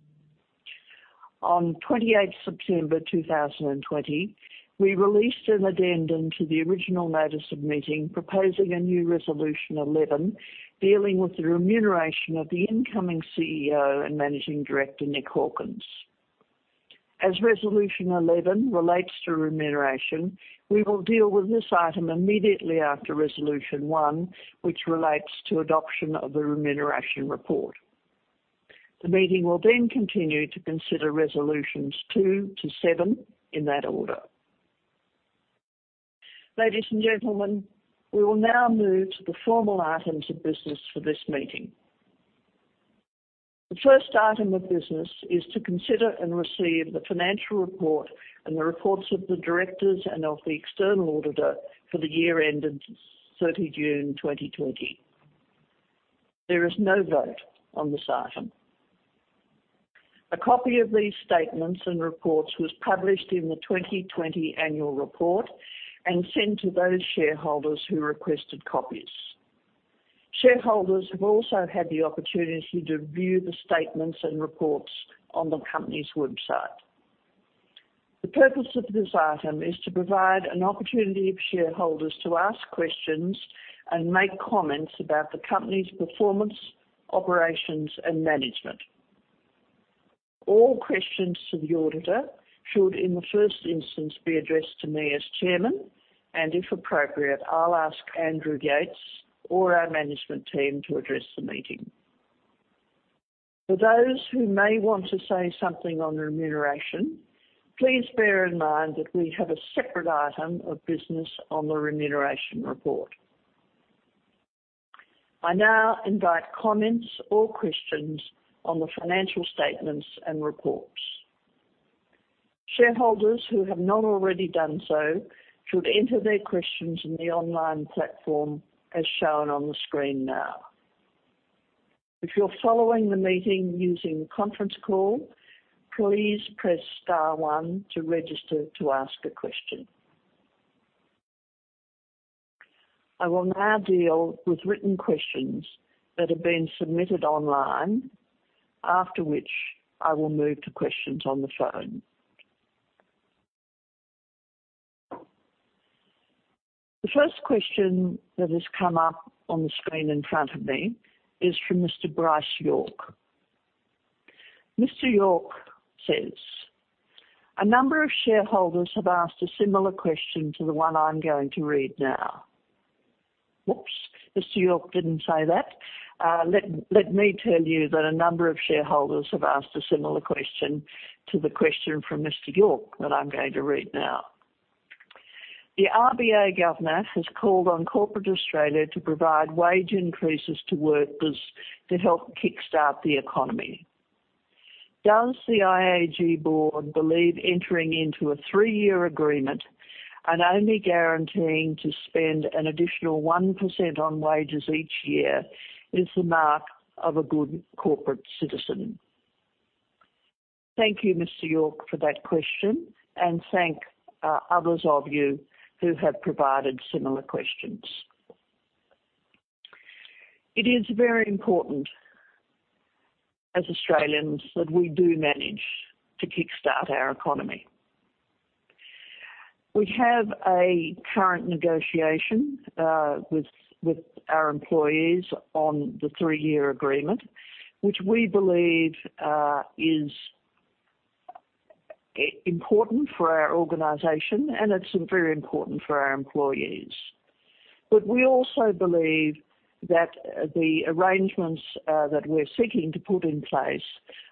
On 28 September 2020, we released an addendum to the original notice of meeting, proposing a new Resolution 11, dealing with the remuneration of the incoming CEO and Managing Director, Nick Hawkins. As Resolution 11 relates to remuneration, we will deal with this item immediately after Resolution One, which relates to adoption of the remuneration report. The meeting will then continue to consider Resolutions Two to Seven in that order. Ladies and gentlemen, we will now move to the formal items of business for this meeting. The first item of business is to consider and receive the financial report and the reports of the directors and of the external auditor for the year ended 30 June 2020. There is no vote on this item. A copy of these statements and reports was published in the 2020 annual report and sent to those shareholders who requested copies. Shareholders have also had the opportunity to view the statements and reports on the company's website. The purpose of this item is to provide an opportunity of shareholders to ask questions and make comments about the company's performance, operations, and management. All questions to the auditor should, in the first instance, be addressed to me as chairman, and if appropriate, I'll ask Andrew Yates or our management team to address the meeting. For those who may want to say something on remuneration, please bear in mind that we have a separate item of business on the remuneration report. I now invite comments or questions on the financial statements and reports. Shareholders who have not already done so should enter their questions in the online platform as shown on the screen now. If you're following the meeting using conference call, please press star one to register to ask a question. I will now deal with written questions that have been submitted online, after which I will move to questions on the phone. The first question that has come up on the screen in front of me is from Mr. Bryce York. Mr. York says, "A number of shareholders have asked a similar question to the one I'm going to read now." Whoops, Mr. York didn't say that. Let me tell you that a number of shareholders have asked a similar question to the question from Mr. York that I'm going to read now. The RBA Governor has called on corporate Australia to provide wage increases to workers to help kickstart the economy. Does the IAG board believe entering into a three-year agreement and only guaranteeing to spend an additional 1% on wages each year is the mark of a good corporate citizen? Thank you, Mr. York, for that question, and thank others of you who have provided similar questions. It is very important as Australians that we do manage to kickstart our economy. We have a current negotiation, with our employees on the three-year agreement, which we believe is important for our organization and it's very important for our employees. We also believe that the arrangements that we're seeking to put in place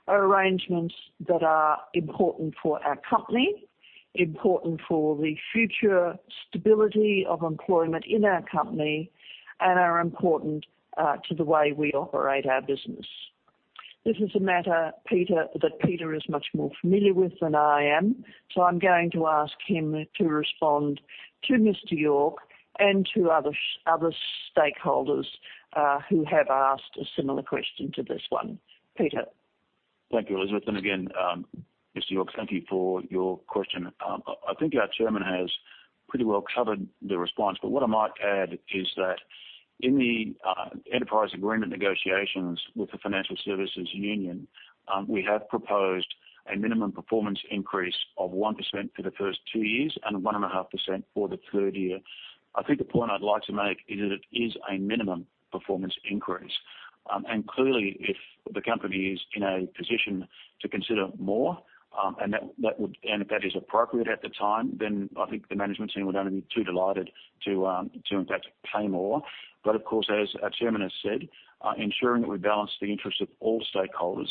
are arrangements that are important for our company, important for the future stability of employment in our company, and are important to the way we operate our business. This is a matter that Peter is much more familiar with than I am. I'm going to ask him to respond to Mr. York and to other stakeholders who have asked a similar question to this one. Peter. Thank you, Elizabeth. Again, Mr. York, thank you for your question. I think our chairman has pretty well covered the response. What I might add is that in the enterprise agreement negotiations with the Finance Sector Union, we have proposed a minimum performance increase of 1% for the first two years and 1.5% for the third year. I think the point I'd like to make is that it is a minimum performance increase. Clearly, if the company is in a position to consider more, and if that is appropriate at the time, then I think the management team would only be too delighted to in fact pay more. Of course, as our chairman has said ensuring that we balance the interests of all stakeholders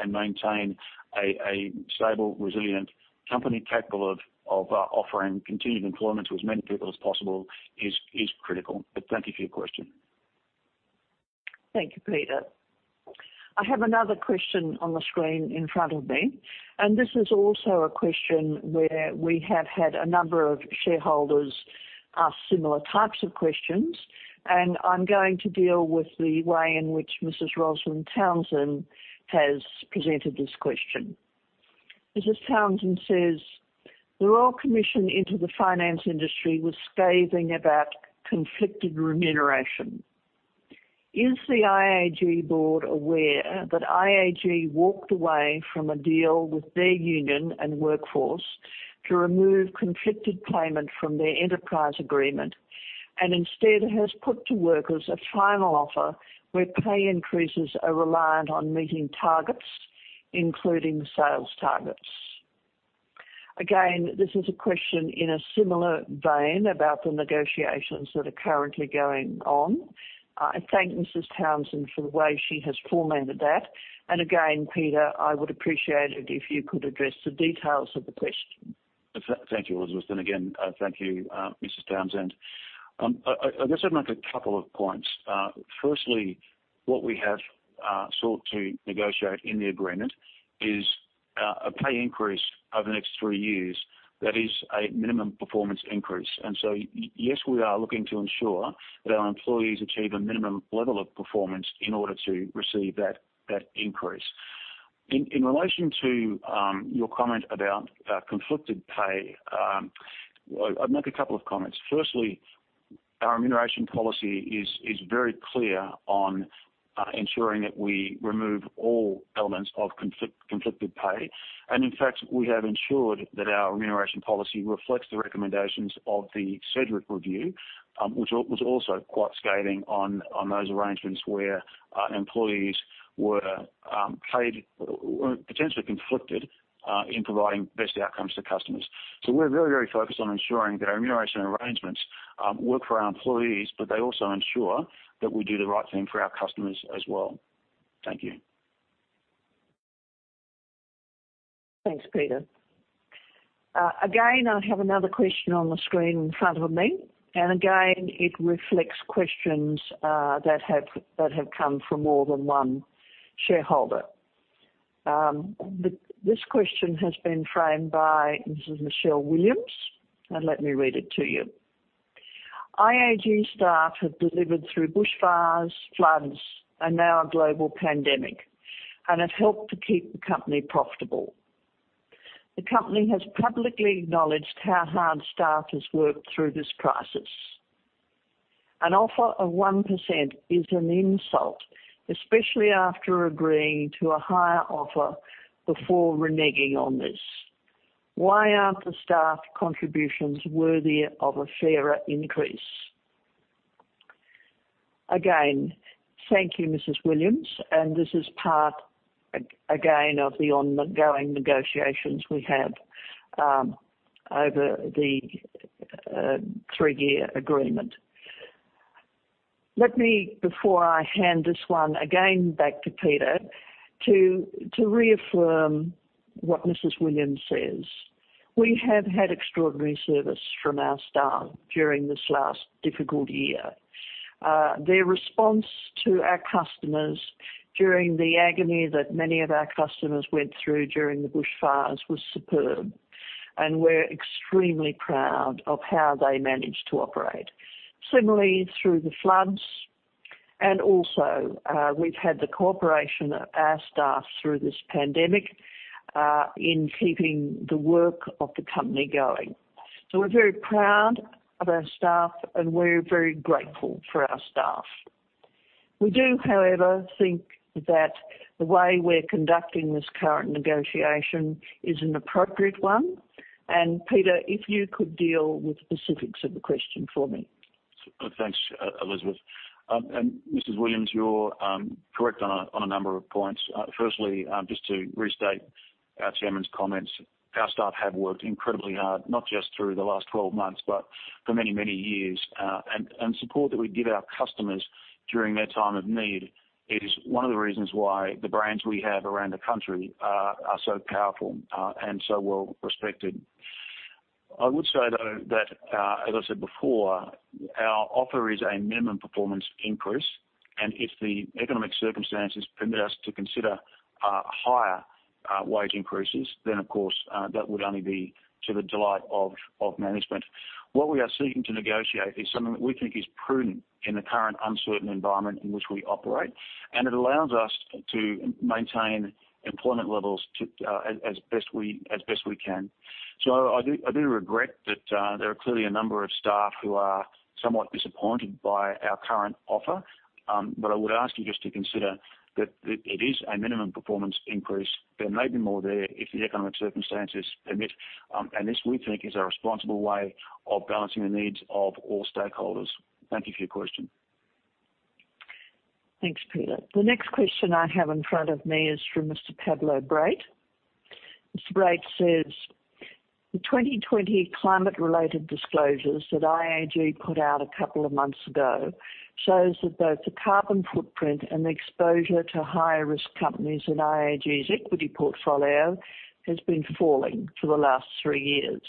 and maintain a stable, resilient company capable of offering continued employment to as many people as possible is critical. Thank you for your question. Thank you, Peter. I have another question on the screen in front of me, and this is also a question where we have had a number of shareholders ask similar types of questions, and I'm going to deal with the way in which Mrs. Rosalind Townsend has presented this question. Mrs. Townsend says, "The Royal Commission into the finance industry was scathing about conflicted remuneration. Is the IAG board aware that IAG walked away from a deal with their union and workforce to remove conflicted payment from their enterprise agreement and instead has put to workers a final offer where pay increases are reliant on meeting targets, including sales targets?" Again, this is a question in a similar vein about the negotiations that are currently going on. I thank Mrs. Townsend for the way she has formulated that. Again, Peter, I would appreciate it if you could address the details of the question. Thank you, Elizabeth. Again, thank you Mrs. Townsend. I guess I'd make a couple of points. Firstly, what we have sought to negotiate in the agreement is a pay increase over the next three years that is a minimum performance increase. Yes, we are looking to ensure that our employees achieve a minimum level of performance in order to receive that increase. In relation to your comment about conflicted pay, I'd make a couple of comments. Firstly, our remuneration policy is very clear on ensuring that we remove all elements of conflicted pay. In fact, we have ensured that our remuneration policy reflects the recommendations of the Sedgwick Review, which was also quite scathing on those arrangements where employees were potentially conflicted in providing best outcomes to customers. We're very focused on ensuring that our remuneration arrangements work for our employees, but they also ensure that we do the right thing for our customers as well. Thank you. Thanks, Peter. Again, I have another question on the screen in front of me, and again, it reflects questions that have come from more than one shareholder. This question has been framed by Mrs. Michelle Williams, and let me read it to you. "IAG staff have delivered through bushfires, floods, and now a global pandemic, and have helped to keep the company profitable. The company has publicly acknowledged how hard staff has worked through this crisis. An offer of 1% is an insult, especially after agreeing to a higher offer before reneging on this. Why aren't the staff contributions worthy of a fairer increase?" Again, thank you Mrs. Williams, and this is part again, of the ongoing negotiations we have over the three-year agreement. Let me, before I hand this one again back to Peter, to reaffirm what Mrs. Williams says. We have had extraordinary service from our staff during this last difficult year. Their response to our customers during the agony that many of our customers went through during the bushfires was superb, and we're extremely proud of how they managed to operate. Similarly, through the floods, and also we've had the cooperation of our staff through this pandemic in keeping the work of the company going. We're very proud of our staff, and we're very grateful for our staff. We do, however, think that the way we're conducting this current negotiation is an appropriate one. Peter, if you could deal with the specifics of the question for me. Thanks, Elizabeth. Mrs. Williams, you're correct on a number of points. Firstly, just to restate our chairman's comments, our staff have worked incredibly hard, not just through the last 12 months, but for many years. Support that we give our customers during their time of need is one of the reasons why the brands we have around the country are so powerful and so well respected. I would say, though, that as I said before, our offer is a minimum performance increase, and if the economic circumstances permit us to consider higher wage increases, then of course that would only be to the delight of management. What we are seeking to negotiate is something that we think is prudent in the current uncertain environment in which we operate, and it allows us to maintain employment levels as best we can. I do regret that there are clearly a number of staff who are somewhat disappointed by our current offer. I would ask you just to consider that it is a minimum performance increase. There may be more there if the economic circumstances permit. This, we think, is a responsible way of balancing the needs of all stakeholders. Thank you for your question. Thanks, Peter. The next question I have in front of me is from Mr. Pablo Brait. Mr. Brait says, "The 2020 climate-related disclosures that IAG put out a couple of months ago shows that both the carbon footprint and the exposure to higher-risk companies in IAG's equity portfolio has been falling for the last three years.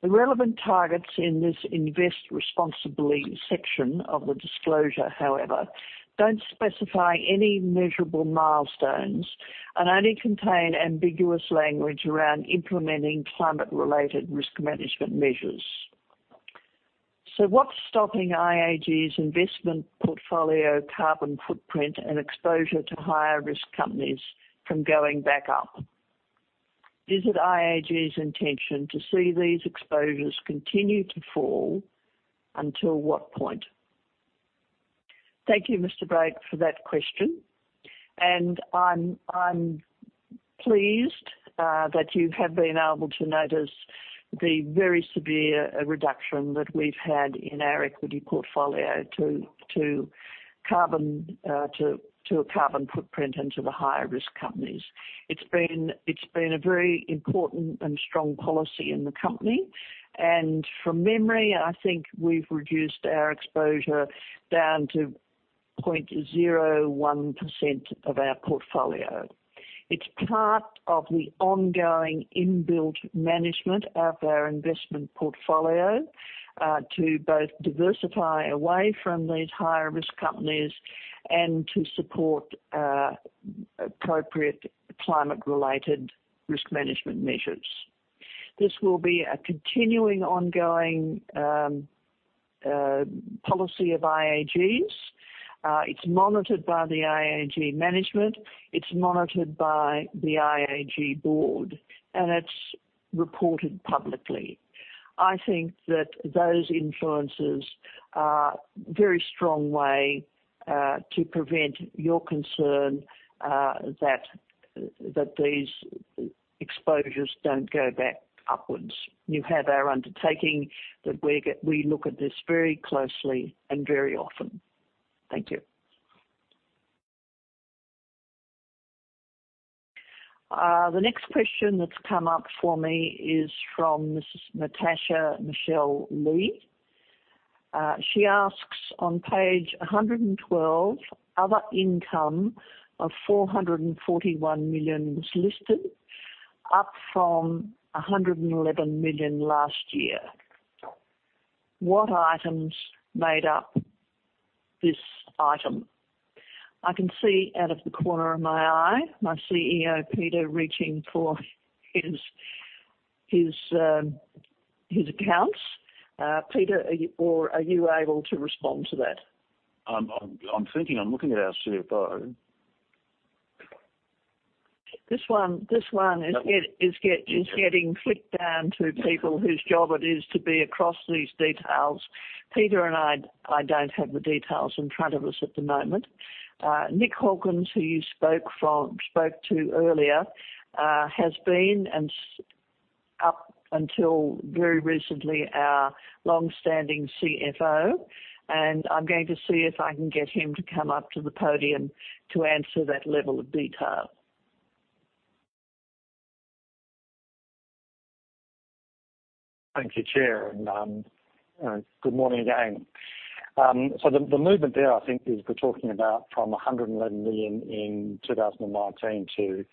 The relevant targets in this investment responsibility section of the disclosure, however, don't specify any measurable milestones and only contain ambiguous language around implementing climate-related risk management measures. What's stopping IAG's investment portfolio carbon footprint and exposure to higher-risk companies from going back up? Is it IAG's intention to see these exposures continue to fall, until what point?" Thank you, Mr. Brait, for that question. I'm pleased that you have been able to notice the very severe reduction that we've had in our equity portfolio to a carbon footprint and to the higher-risk companies. It's been a very important and strong policy in the company, and from memory, I think we've reduced our exposure down to 0.01% of our portfolio. It's part of the ongoing inbuilt management of our investment portfolio to both diversify away from these higher-risk companies and to support appropriate climate-related risk management measures. This will be a continuing, ongoing policy of IAG's. It's monitored by the IAG management, it's monitored by the IAG Board, and it's reported publicly. I think that those influences are very strong way to prevent your concern that these exposures don't go back upwards. You have our undertaking that we look at this very closely and very often. Thank you. The next question that is come up for me is from Mrs. Natasha Michelle Lee. She asks, "On page 112, other income of 441 million was listed, up from 111 million last year. What items made up this item?" I can see out of the corner of my eye my CEO, Peter, reaching for his accounts. Peter, or are you able to respond to that? I'm thinking. I'm looking at our CFO. This one is getting flicked down to people whose job it is to be across these details. Peter and I don't have the details in front of us at the moment. Nick Hawkins, who you spoke to earlier has been, up until very recently, our long-standing CFO. I'm going to see if I can get him to come up to the podium to answer that level of detail. Thank you, Chair, and good morning again. The movement there, I think is we're talking about from 111 million in 2019 to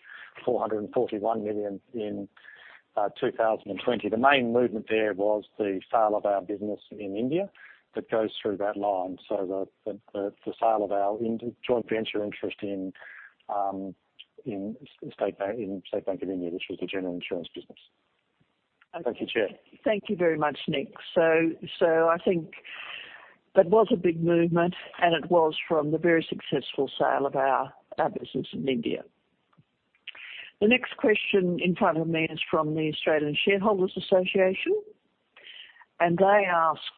441 million in 2020. The main movement there was the sale of our business in India that goes through that line. The sale of our joint venture interest in State Bank of India, which was the general insurance business. Thank you, Chair. Thank you very much, Nick. I think that was a big movement, and it was from the very successful sale of our business in India. The next question in front of me is from the Australian Shareholders' Association. They ask,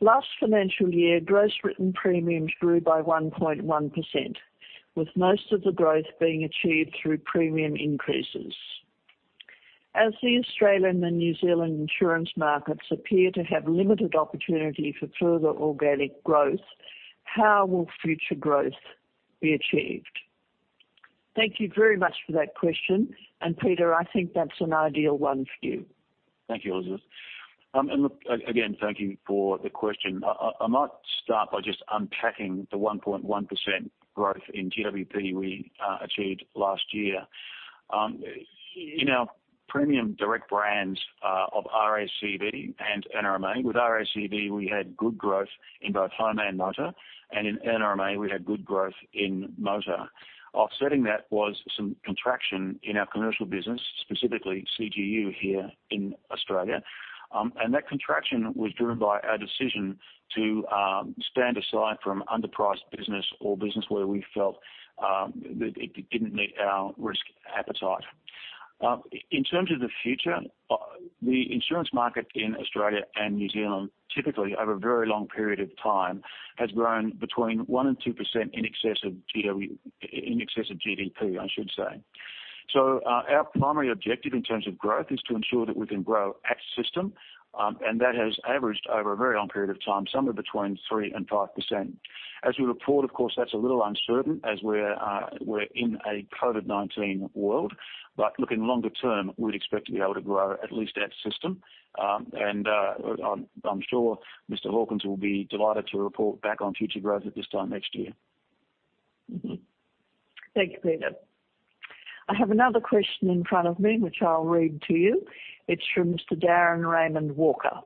"Last financial year, gross written premiums grew by 1.1%, with most of the growth being achieved through premium increases. As the Australian and New Zealand insurance markets appear to have limited opportunity for further organic growth, how will future growth be achieved?" Thank you very much for that question. Peter, I think that's an ideal one for you. Thank you, Elizabeth. Look, again, thank you for the question. I might start by just unpacking the 1.1% growth in GWP we achieved last year. In our premium direct brands of RACV and NRMA, with RACV we had good growth in both home and motor, and in NRMA, we had good growth in motor. Offsetting that was some contraction in our commercial business, specifically CGU here in Australia. That contraction was driven by our decision to stand aside from underpriced business or business where we felt that it didn't meet our risk appetite. In terms of the future, the insurance market in Australia and New Zealand, typically over a very long period of time, has grown between 1% and 2% in excess of GDP, I should say. Our primary objective in terms of growth is to ensure that we can grow at system, and that has averaged over a very long period of time, somewhere between 3% and 5%. As we report, of course, that's a little uncertain as we're in a COVID-19 world. Looking longer term, we'd expect to be able to grow at least at system. I'm sure Mr. Hawkins will be delighted to report back on future growth at this time next year. Thank you, Peter. I have another question in front of me, which I'll read to you. It's from Mr. Darren Raymond Walker.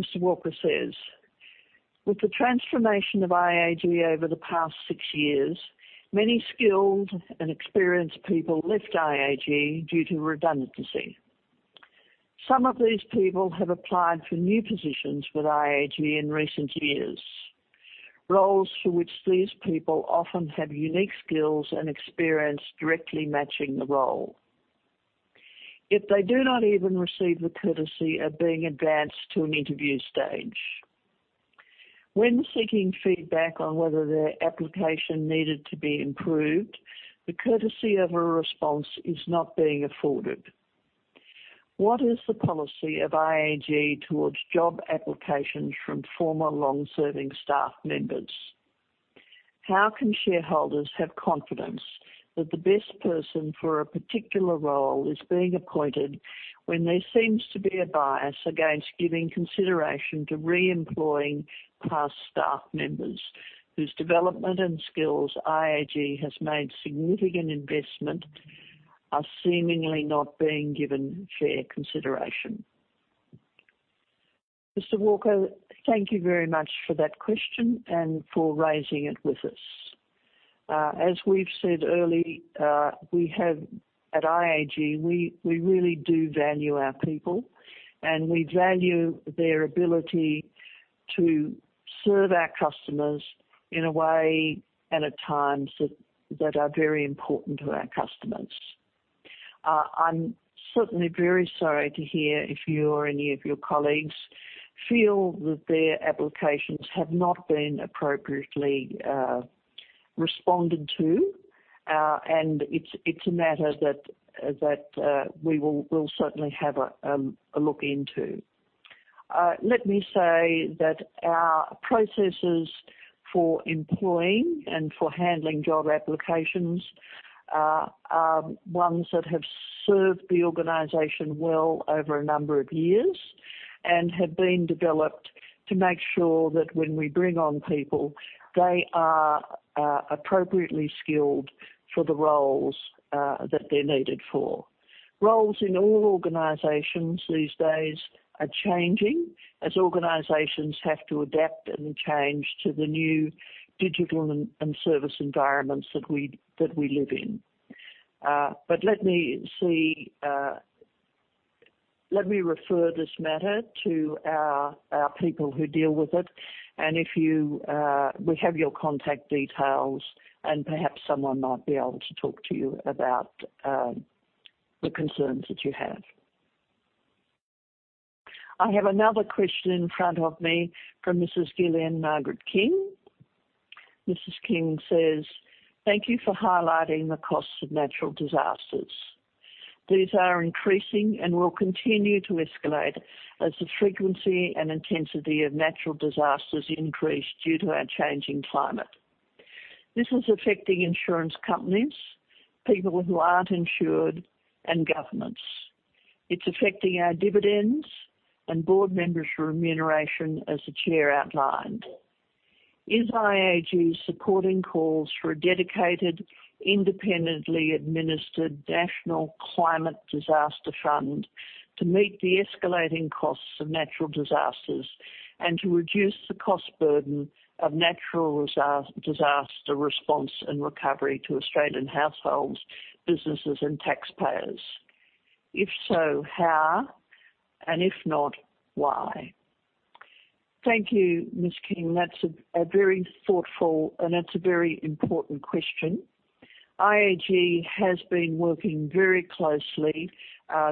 Mr. Walker says, "With the transformation of IAG over the past six years, many skilled and experienced people left IAG due to redundancy. Some of these people have applied for new positions with IAG in recent years, roles for which these people often have unique skills and experience directly matching the role. Yet they do not even receive the courtesy of being advanced to an interview stage. When seeking feedback on whether their application needed to be improved, the courtesy of a response is not being afforded. What is the policy of IAG towards job applications from former long-serving staff members? How can shareholders have confidence that the best person for a particular role is being appointed when there seems to be a bias against giving consideration to reemploying past staff members whose development and skills IAG has made significant investment are seemingly not being given fair consideration? Mr. Walker, thank you very much for that question and for raising it with us. As we've said early, at IAG, we really do value our people, and we value their ability to serve our customers in a way and at times that are very important to our customers. I'm certainly very sorry to hear if you or any of your colleagues feel that their applications have not been appropriately responded to. It's a matter that we'll certainly have a look into. Let me say that our processes for employing and for handling job applications are ones that have served the organization well over a number of years and have been developed to make sure that when we bring on people, they are appropriately skilled for the roles that they're needed for. Roles in all organizations these days are changing as organizations have to adapt and change to the new digital and service environments that we live in. Let me refer this matter to our people who deal with it. We have your contact details, and perhaps someone might be able to talk to you about the concerns that you have. I have another question in front of me from Mrs. Gillian Margaret King. Mrs. King says, "Thank you for highlighting the costs of natural disasters. These are increasing and will continue to escalate as the frequency and intensity of natural disasters increase due to our changing climate. This is affecting insurance companies, people who aren't insured, and governments. It's affecting our dividends and board members' remuneration as the chair outlined. Is IAG supporting calls for a dedicated, independently administered national climate disaster fund to meet the escalating costs of natural disasters and to reduce the cost burden of natural disaster response and recovery to Australian households, businesses, and taxpayers? If so, how? If not, why? Thank you, Ms. King. That's a very thoughtful, and it's a very important question. IAG has been working very closely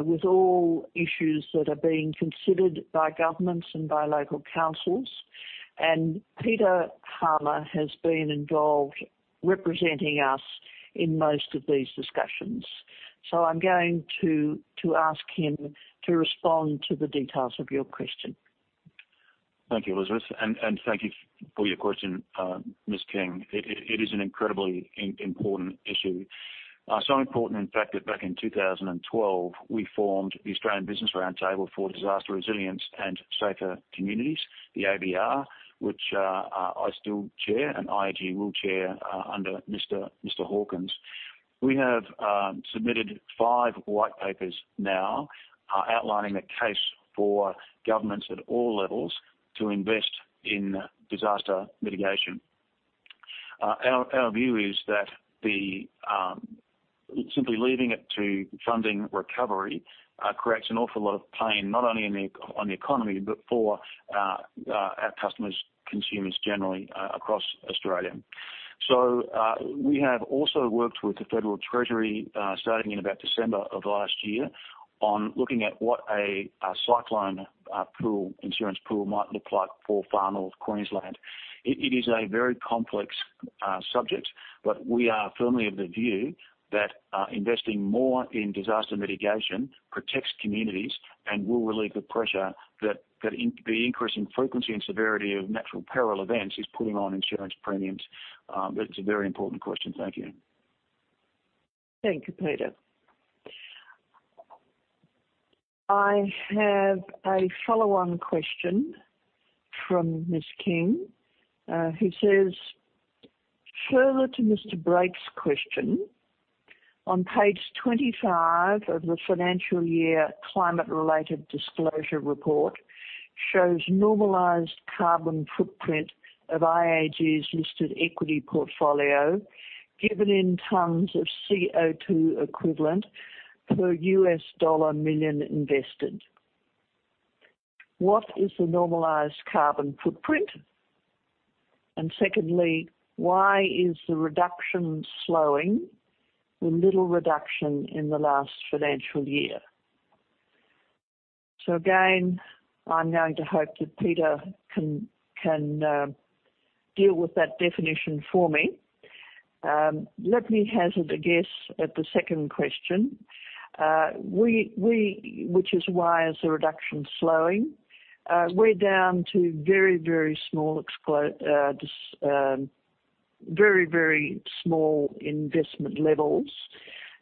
with all issues that are being considered by governments and by local councils, and Peter Harmer has been involved representing us in most of these discussions. I'm going to ask him to respond to the details of your question. Thank you, Elizabeth. Thank you for your question, Ms. King. It is an incredibly important issue. Important, in fact, that back in 2012, we formed the Australian Business Roundtable for Disaster Resilience & Safer Communities, the ABR, which I still chair, and IAG will chair under Mr. Hawkins. We have submitted five white papers now outlining the case for governments at all levels to invest in disaster mitigation. Our view is that simply leaving it to funding recovery creates an awful lot of pain, not only on the economy, but for our customers, consumers generally across Australia. We have also worked with the Federal Treasury, starting in about December of last year, on looking at what a cyclone insurance pool might look like for Far North Queensland. We are firmly of the view that investing more in disaster mitigation protects communities and will relieve the pressure that the increase in frequency and severity of natural peril events is putting on insurance premiums. It's a very important question. Thank you. Thank you, Peter. I have a follow-on question from Ms. King, who says, "Further to Mr. Brait's question, on page 25 of the financial year climate-related disclosure report shows normalized carbon footprint of IAG's listed equity portfolio given in tons of CO2 equivalent per U.S. Dollar million invested. What is the normalized carbon footprint? Secondly, why is the reduction slowing with little reduction in the last financial year?" Again, I'm going to hope that Peter can deal with that definition for me. Let me hazard a guess at the second question. Which is why is the reduction slowing? We're down to very, very small investment levels,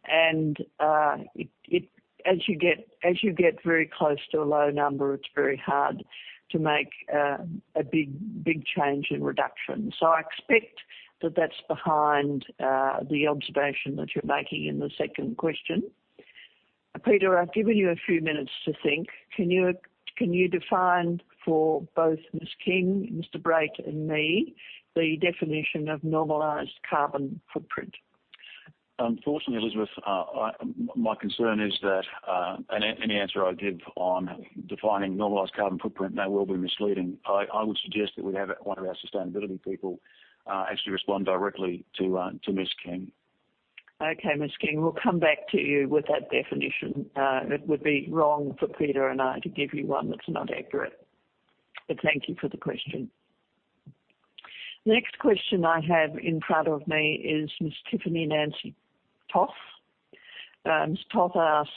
and as you get very close to a low number, it's very hard to make a big change in reduction. I expect that that's behind the observation that you're making in the second question. Peter, I've given you a few minutes to think. Can you define for both Ms. King, Mr. Brait, and me the definition of normalized carbon footprint? Unfortunately, Elizabeth, my concern is that any answer I give on defining normalized carbon footprint now will be misleading. I would suggest that we have one of our sustainability people actually respond directly to Ms. King. Okay, Ms. King, we'll come back to you with that definition. It would be wrong for Peter and I to give you one that's not accurate. Thank you for the question. Next question I have in front of me is Ms. Tiffany Nancy Toth. Ms. Toth asks,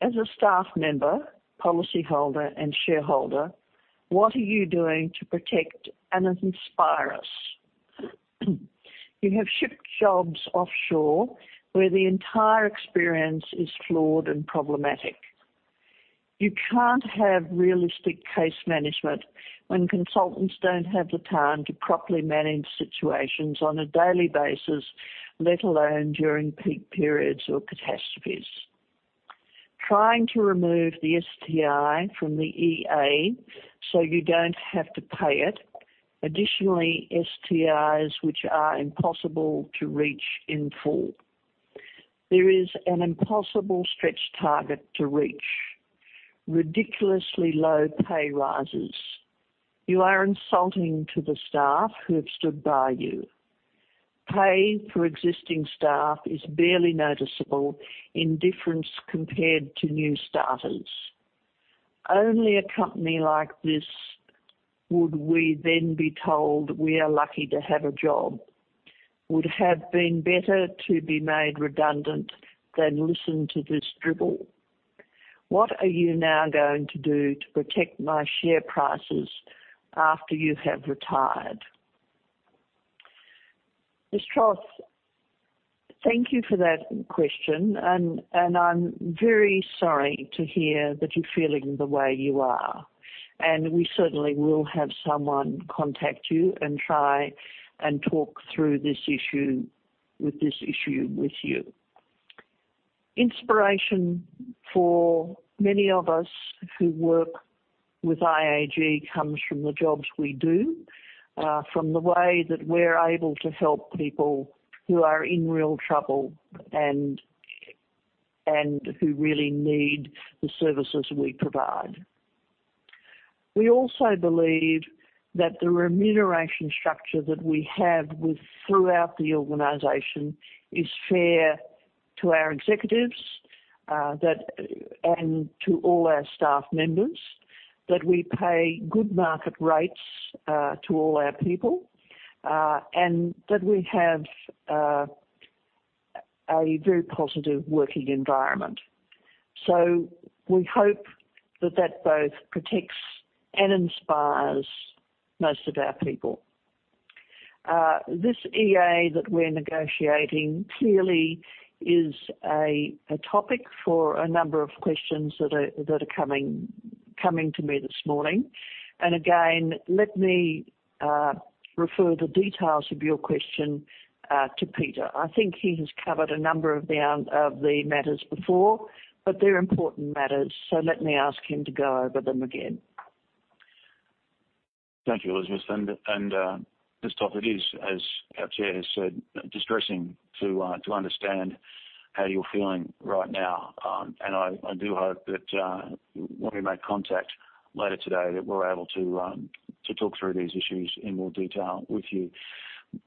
"As a staff member, policyholder, and shareholder, what are you doing to protect and inspire us." You have shipped jobs offshore where the entire experience is flawed and problematic. You can't have realistic case management when consultants don't have the time to properly manage situations on a daily basis, let alone during peak periods or catastrophes. Trying to remove the STI from the EA so you don't have to pay it. Additionally, STIs which are impossible to reach in full. There is an impossible stretch target to reach. Ridiculously low pay rises. You are insulting to the staff who have stood by you. Pay for existing staff is barely noticeable in difference compared to new starters. Only a company like this would we then be told we are lucky to have a job. Would have been better to be made redundant than listen to this drivel. What are you now going to do to protect my share prices after you have retired?" Ms. Toth, thank you for that question, and I'm very sorry to hear that you're feeling the way you are. We certainly will have someone contact you and try and talk through this issue with you. Inspiration for many of us who work with IAG comes from the jobs we do, from the way that we're able to help people who are in real trouble and who really need the services we provide. We also believe that the remuneration structure that we have throughout the organization is fair to our executives and to all our staff members, that we pay good market rates to all our people, and that we have a very positive working environment. We hope that that both protects and inspires most of our people. This EA that we're negotiating clearly is a topic for a number of questions that are coming to me this morning. Again, let me refer the details of your question to Peter. I think he has covered a number of the matters before, but they're important matters, so let me ask him to go over them again. Thank you, Elizabeth, and Ms. Toth, it is, as our chair has said, distressing to understand how you're feeling right now. I do hope that when we make contact later today, that we're able to talk through these issues in more detail with you.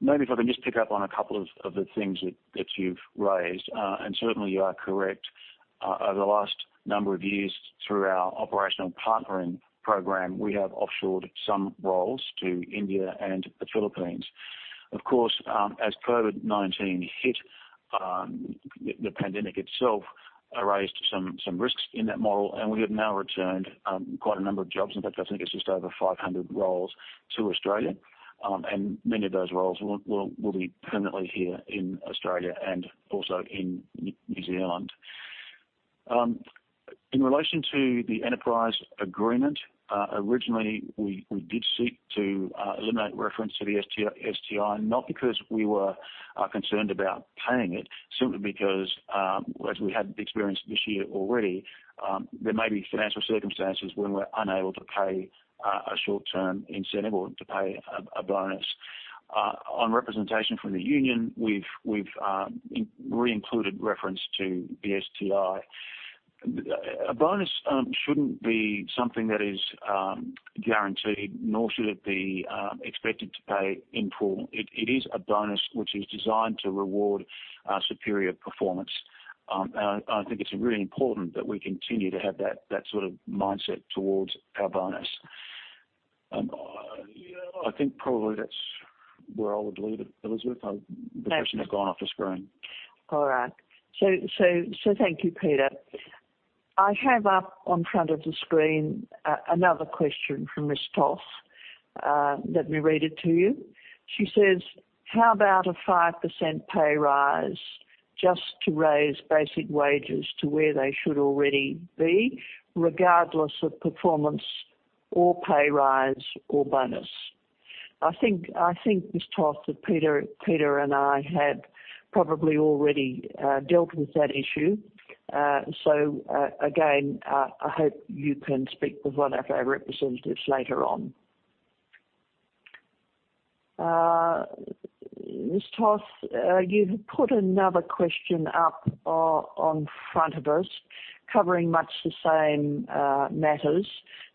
Maybe if I can just pick up on a couple of the things that you've raised, and certainly you are correct. Over the last number of years through our operational partnering program, we have offshored some roles to India and the Philippines. Of course, as COVID-19 hit, the pandemic itself raised some risks in that model, and we have now returned quite a number of jobs. In fact, I think it's just over 500 roles to Australia, and many of those roles will be permanently here in Australia and also in New Zealand. In relation to the enterprise agreement, originally, we did seek to eliminate reference to the STI, not because we were concerned about paying it, simply because, as we had experienced this year already, there may be financial circumstances when we're unable to pay a short-term incentive or to pay a bonus. On representation from the union, we've re-included reference to the STI. A bonus shouldn't be something that is guaranteed, nor should it be expected to pay in full. It is a bonus which is designed to reward superior performance. I think it's really important that we continue to have that sort of mindset towards our bonus. I think probably that's where I would leave it, Elizabeth. Absolutely. The person has gone off the screen. All right. Thank you, Peter. I have up on front of the screen another question from Ms. Toth. Let me read it to you. She says, "How about a 5% pay rise just to raise basic wages to where they should already be, regardless of performance or pay rise or bonus?" I think, Ms. Toth, that Peter and I have probably already dealt with that issue. Again, I hope you can speak with one of our representatives later on. Ms. Toth, you've put another question up on front of us covering much the same matters.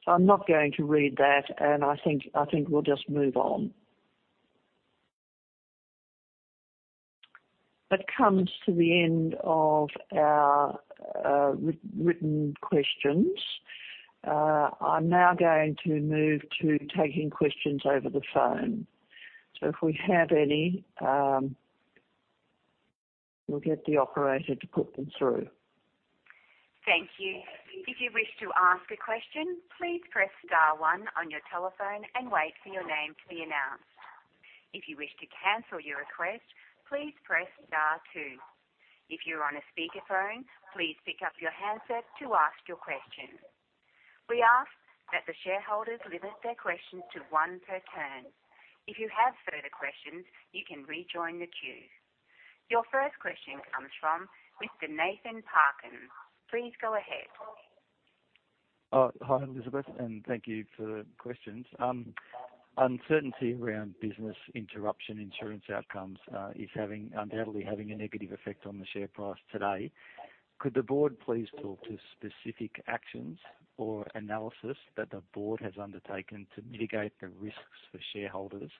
I'm not going to read that, and I think we'll just move on. That comes to the end of our written questions. I'm now going to move to taking questions over the phone. If we have any, we'll get the operator to put them through. Thank you. If you wish to ask a question please press star one on your telephone and wait for your name to be announced. If you wish to cancel your request, please press star two. If you're on a speakerphone, please pick up your handset to ask your questions. We ask that the shareholders limit their questions to one per turn. If you have further questions, you can rejoin the queue. Your first question comes from Mr. Nathan Parkins. Please go ahead. Hi, Elizabeth. Thank you for the questions. Uncertainty around business interruption insurance outcomes is undoubtedly having a negative effect on the share price today. Could the board please talk to specific actions or analysis that the board has undertaken to mitigate the risks for shareholders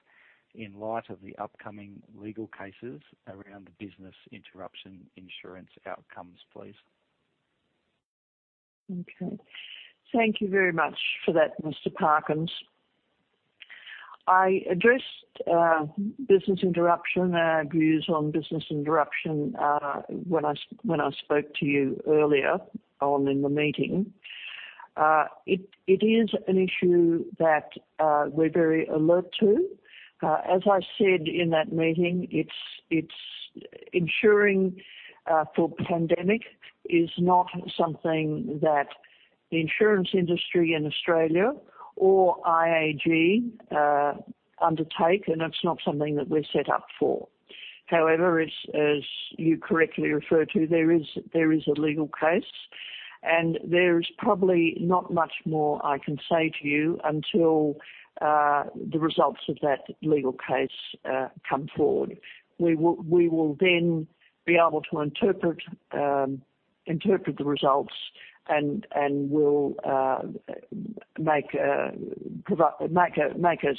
in light of the upcoming legal cases around the business interruption insurance outcomes, please? Okay. Thank you very much for that, Mr. Parkins. I addressed business interruption, our views on business interruption, when I spoke to you earlier on in the meeting. It is an issue that we're very alert to. As I said in that meeting, ensuring for pandemic is not something that the insurance industry in Australia or IAG undertake, and it's not something that we're set up for. However, as you correctly refer to, there is a legal case, and there is probably not much more I can say to you until the results of that legal case come forward. We will be able to interpret the results, and we'll make a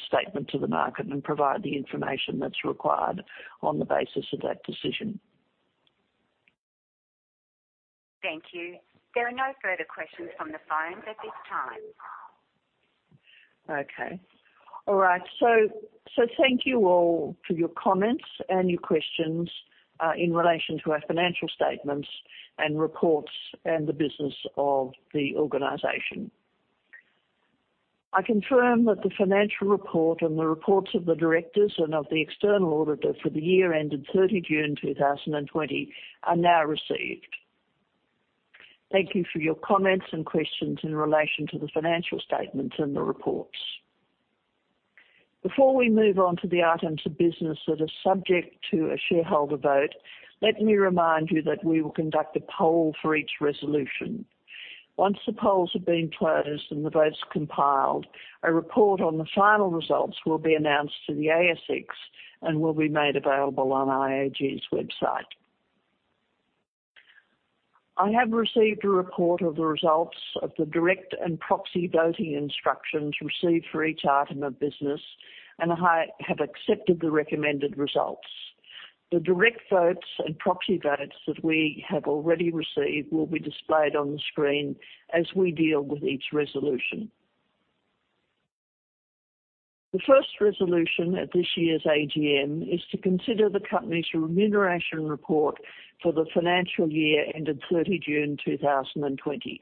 statement to the market and provide the information that's required on the basis of that decision. Thank you. There are no further questions from the phone at this time. Okay. All right. Thank you all for your comments and your questions in relation to our financial statements and reports and the business of the organization. I confirm that the financial report and the reports of the directors and of the external auditor for the year ended 30 June 2020 are now received. Thank you for your comments and questions in relation to the financial statements and the reports. Before we move on to the items of business that are subject to a shareholder vote, let me remind you that we will conduct a poll for each resolution. Once the polls have been closed and the votes compiled, a report on the final results will be announced to the ASX and will be made available on IAG's website. I have received a report of the results of the direct and proxy voting instructions received for each item of business, and I have accepted the recommended results. The direct votes and proxy votes that we have already received will be displayed on the screen as we deal with each resolution. The first resolution at this year's AGM is to consider the company's remuneration report for the financial year ended 30 June 2020.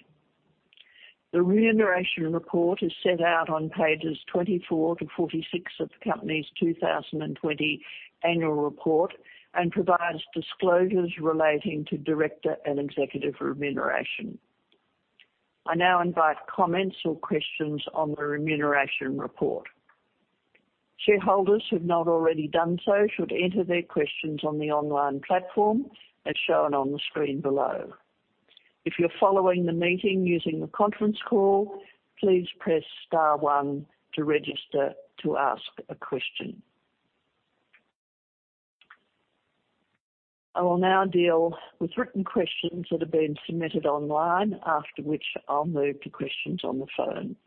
The remuneration report is set out on pages 24 to 46 of the company's 2020 annual report and provides disclosures relating to director and executive remuneration. I now invite comments or questions on the remuneration report. Shareholders who have not already done so should enter their questions on the online platform as shown on the screen below. If you're following the meeting using the conference call, please press star one to register to ask a question. I will now deal with written questions that have been submitted online, after which I'll move to questions on the phone.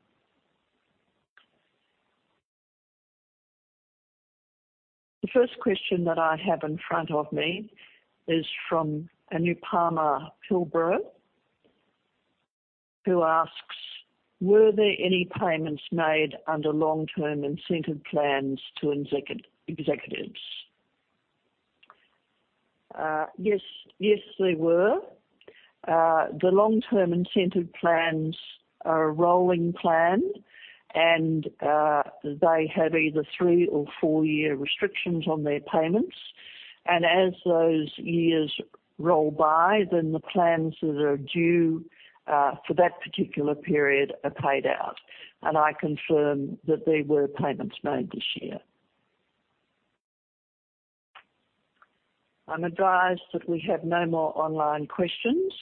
The first question that I have in front of me is from Anupama Pilbrow, who asks, "Were there any payments made under long-term incentive plans to executives?" Yes, there were. The long-term incentive plans are a rolling plan, and they have either three or four-year restrictions on their payments. As those years roll by, then the plans that are due for that particular period are paid out. I confirm that there were payments made this year. I'm advised that we have no more online questions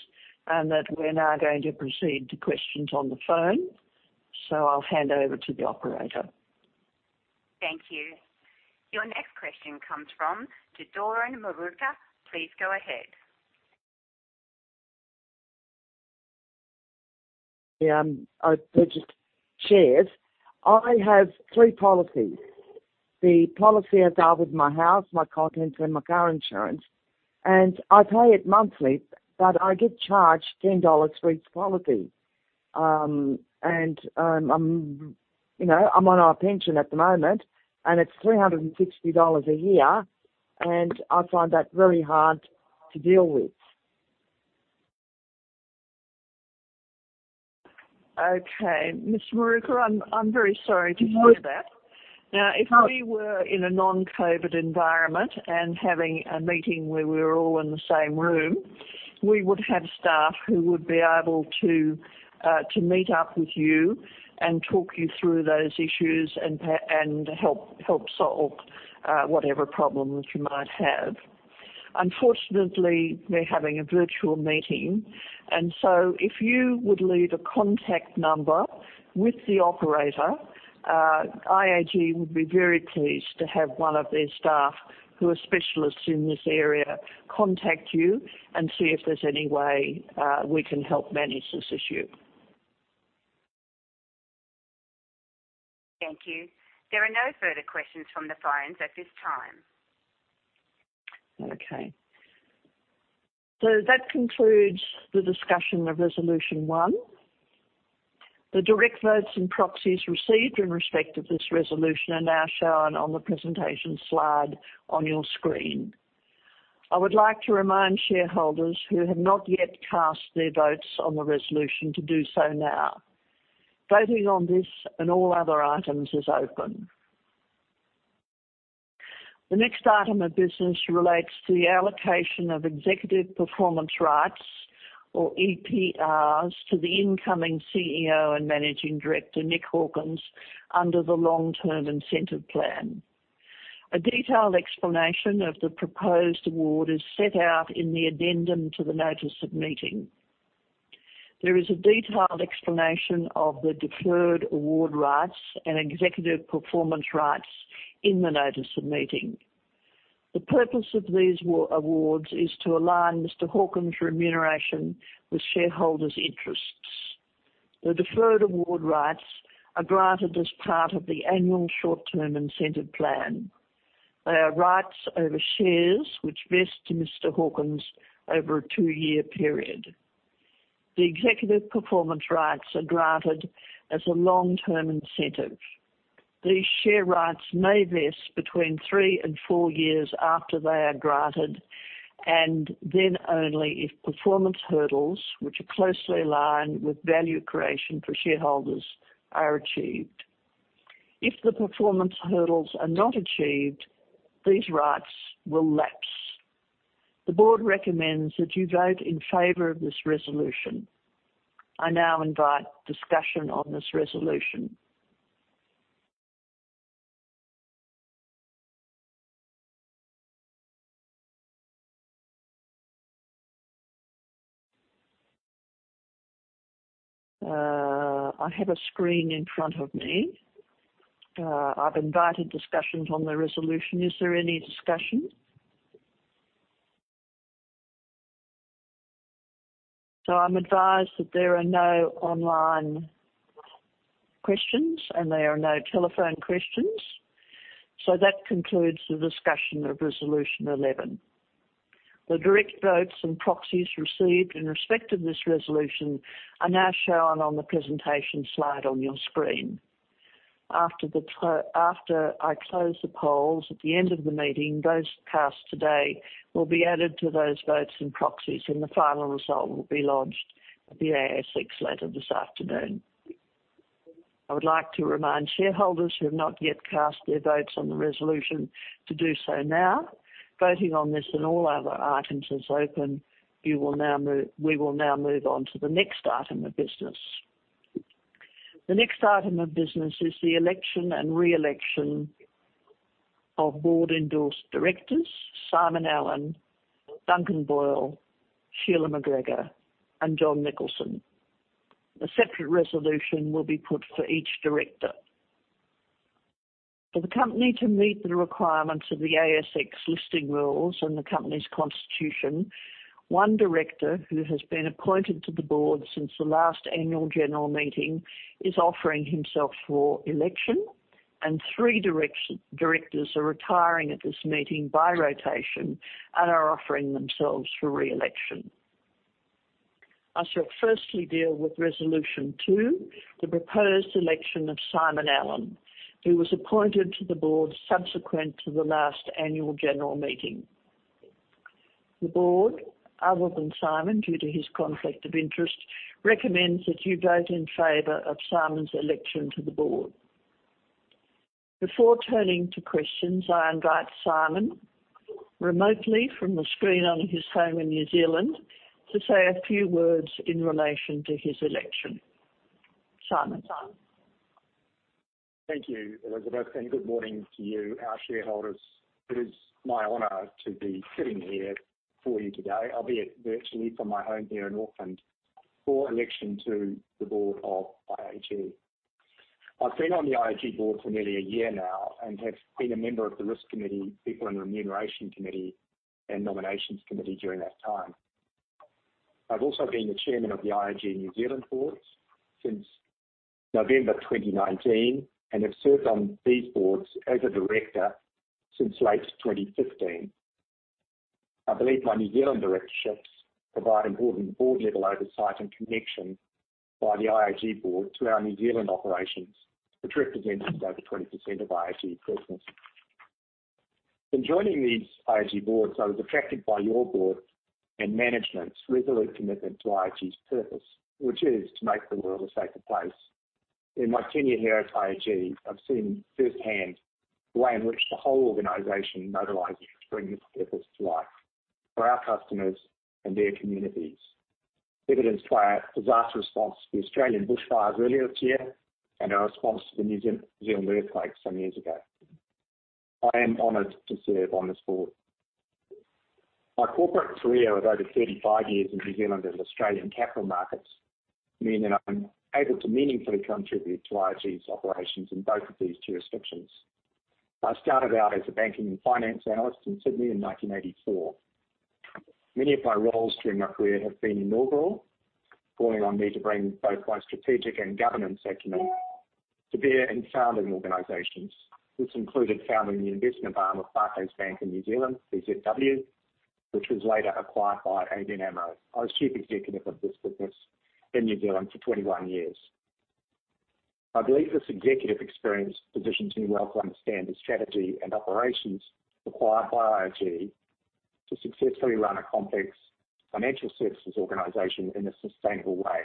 and that we're now going to proceed to questions on the phone. I'll hand over to the operator. Thank you. Your next question comes from Teodoro Maruca. Please go ahead. Yeah. I purchased shares. I have three policies. The policy I got with my house, my contents, and my car insurance, and I pay it monthly, but I get charged 10 dollars for each policy. I'm on a pension at the moment, and it's 360 dollars a year, and I find that very hard to deal with. Okay. Ms. Maruca, I'm very sorry to hear that. If we were in a non-COVID environment and having a meeting where we were all in the same room, we would have staff who would be able to meet up with you and talk you through those issues and help solve whatever problems you might have. Unfortunately, we're having a virtual meeting, if you would leave a contact number with the operator, IAG would be very pleased to have one of their staff, who are specialists in this area, contact you and see if there's any way we can help manage this issue. Thank you. There are no further questions from the phones at this time. Okay. That concludes the discussion of Resolution One. The direct votes and proxies received in respect of this resolution are now shown on the presentation slide on your screen. I would like to remind shareholders who have not yet cast their votes on the resolution to do so now. Voting on this and all other items is open. The next item of business relates to the allocation of Executive Performance Rights, or EPRs, to the incoming CEO and Managing Director, Nick Hawkins, under the long-term incentive plan. A detailed explanation of the proposed award is set out in the addendum to the notice of meeting. There is a detailed explanation of the deferred award rights and executive performance rights in the notice of meeting. The purpose of these awards is to align Mr. Hawkins' remuneration with shareholders' interests. The deferred award rights are granted as part of the annual short-term incentive plan. They are rights over shares which vest to Mr. Hawkins over a two-year period. The Executive Performance Rights are granted as a long-term incentive. These share rights may vest between three and four years after they are granted, and then only if performance hurdles, which are closely aligned with value creation for shareholders, are achieved. If the performance hurdles are not achieved, these rights will lapse. The board recommends that you vote in favor of this resolution. I now invite discussion on this resolution. I have a screen in front of me. I've invited discussions on the resolution. Is there any discussion? I'm advised that there are no online questions, and there are no telephone questions. That concludes the discussion of Resolution 11. The direct votes and proxies received in respect of this resolution are now shown on the presentation slide on your screen. After I close the polls at the end of the meeting, those cast today will be added to those votes and proxies, and the final result will be lodged with the ASX later this afternoon. I would like to remind shareholders who have not yet cast their votes on the resolution to do so now. Voting on this and all other items is open. We will now move on to the next item of business. The next item of business is the election and re-election of board-endorsed directors Simon Allen, Duncan Boyle, Sheila McGregor, and Jon Nicholson. A separate resolution will be put for each director. For the company to meet the requirements of the ASX listing rules and the company's constitution, one director who has been appointed to the board since the last annual general meeting is offering himself for election, and three directors are retiring at this meeting by rotation and are offering themselves for re-election. I shall firstly deal with Resolution Two, the proposed election of Simon Allen, who was appointed to the board subsequent to the last annual general meeting. The board, other than Simon, due to his conflict of interest, recommends that you vote in favor of Simon's election to the board. Before turning to questions, I invite Simon remotely from the screen on his home in New Zealand to say a few words in relation to his election. Simon. Thank you, Elizabeth, and good morning to you, our shareholders. It is my honor to be sitting here for you today, albeit virtually from my home here in Auckland, for election to the board of IAG. I've been on the IAG board for nearly a year now and have been a member of the Risk Committee, People and Remuneration Committee, and Nominations Committee during that time. I've also been the chairman of the IAG New Zealand boards since November 2019 and have served on these boards as a director since late 2015. I believe my New Zealand directorship provide important board-level oversight and connection by the IAG board to our New Zealand operations, which represents over 20% of IAG business. In joining these IAG boards, I was attracted by your board and management's resolute commitment to IAG's purpose, which is to make the world a safer place. In my tenure here at IAG, I've seen firsthand the way in which the whole organization mobilizes to bring this purpose to life for our customers and their communities, evidenced by our disaster response to the Australian bushfires earlier this year and our response to the New Zealand earthquake some years ago. I am honored to serve on this board. My corporate career of over 35 years in New Zealand and Australian capital markets mean that I'm able to meaningfully contribute to IAG's operations in both of these jurisdictions. I started out as a banking and finance analyst in Sydney in 1984. Many of my roles during my career have been inaugural, calling on me to bring both my strategic and governance acumen to bear in founding organizations. This included founding the investment arm of Barclays Bank in New Zealand, BZW, which was later acquired by ABN AMRO. I was chief executive of this business in New Zealand for 21 years. I believe this executive experience positions me well to understand the strategy and operations required by IAG to successfully run a complex financial services organization in a sustainable way.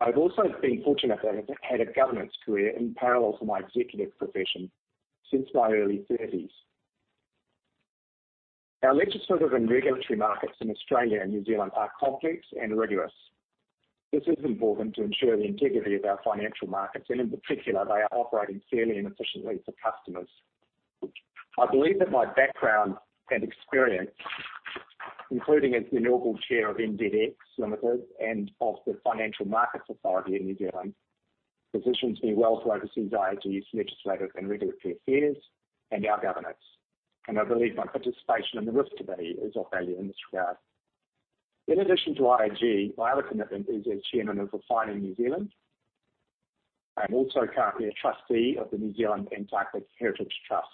I've also been fortunate that I have had a governance career in parallel to my executive profession since my early thirties. Our legislative and regulatory markets in Australia and New Zealand are complex and rigorous. This is important to ensure the integrity of our financial markets, and in particular, they are operating fairly and efficiently for customers. I believe that my background and experience, including as the inaugural chair of NZX Limited and of the Financial Markets Authority in New Zealand, positions me well to oversee IAG's legislative and regulatory affairs and our governance. I believe my participation in the Risk Committee is of value in this regard. In addition to IAG, my other commitment is as chairman of Refining New Zealand. I am also currently a trustee of the Antarctic Heritage Trust.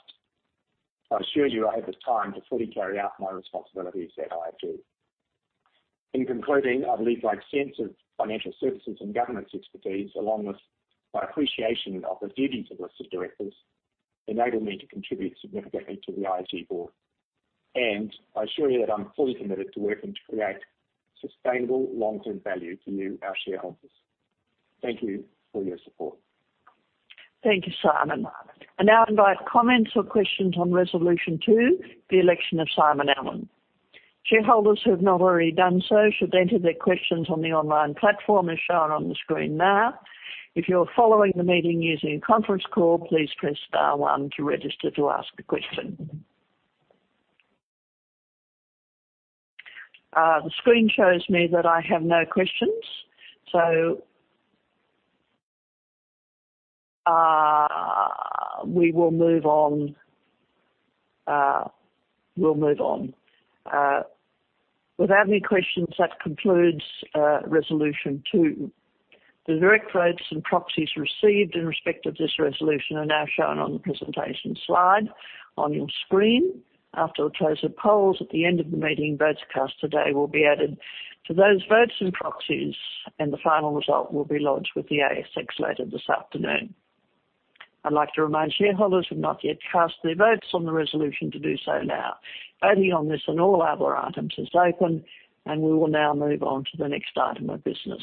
I assure you, I have the time to fully carry out my responsibilities at IAG. In concluding, I believe my sense of financial services and governance expertise, along with my appreciation of the duties of listed directors, enable me to contribute significantly to the IAG board, and I assure you that I'm fully committed to working to create sustainable long-term value for you, our shareholders. Thank you for your support. Thank you, Simon. I now invite comments or questions on Resolution Two, the election of Simon Allen. Shareholders who have not already done so should enter their questions on the online platform as shown on the screen now. If you're following the meeting using a conference call, please press star one to register to ask a question. The screen shows me that I have no questions. We will move on. Without any questions, that concludes Resolution Two. The direct votes and proxies received in respect of this resolution are now shown on the presentation slide on your screen. After the close of polls at the end of the meeting, votes cast today will be added to those votes and proxies, and the final result will be lodged with the ASX later this afternoon. I'd like to remind shareholders who have not yet cast their votes on the resolution to do so now. Voting on this and all other items is open, and we will now move on to the next item of business.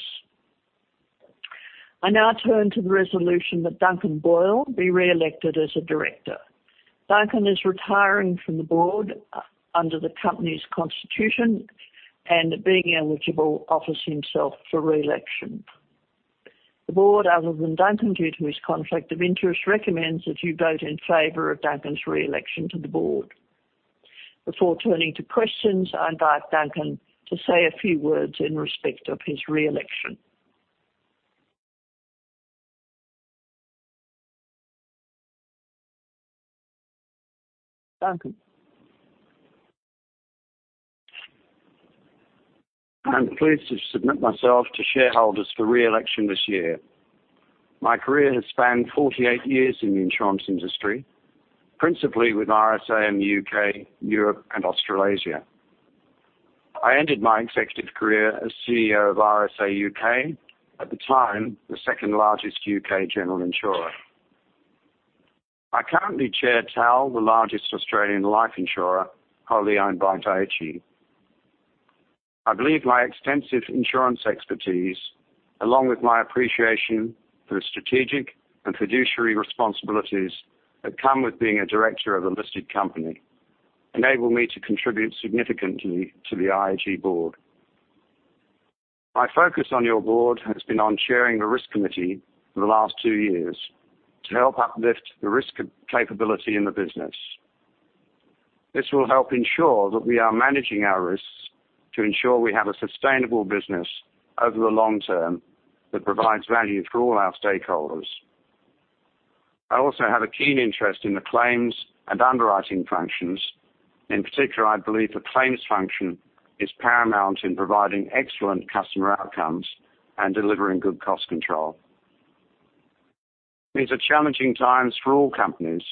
I now turn to the resolution that Duncan Boyle be re-elected as a director. Duncan is retiring from the board under the company's constitution and being eligible, offers himself for re-election. The board, other than Duncan, due to his conflict of interest, recommends that you vote in favor of Duncan's re-election to the board. Before turning to questions, I invite Duncan to say a few words in respect of his re-election. Duncan. I'm pleased to submit myself to shareholders for re-election this year. My career has spanned 48 years in the insurance industry, principally with RSA in the U.K., Europe, and Australasia. I ended my executive career as CEO of RSA U.K., at the time, the second largest U.K. general insurer. I currently chair TAL, the largest Australian life insurer, wholly owned by IAG. I believe my extensive insurance expertise, along with my appreciation for the strategic and fiduciary responsibilities that come with being a director of a listed company, enable me to contribute significantly to the IAG board. My focus on your board has been on chairing the risk committee for the last two years to help uplift the risk capability in the business. This will help ensure that we are managing our risks to ensure we have a sustainable business over the long term that provides value for all our stakeholders. I also have a keen interest in the claims and underwriting functions. In particular, I believe the claims function is paramount in providing excellent customer outcomes and delivering good cost control. These are challenging times for all companies,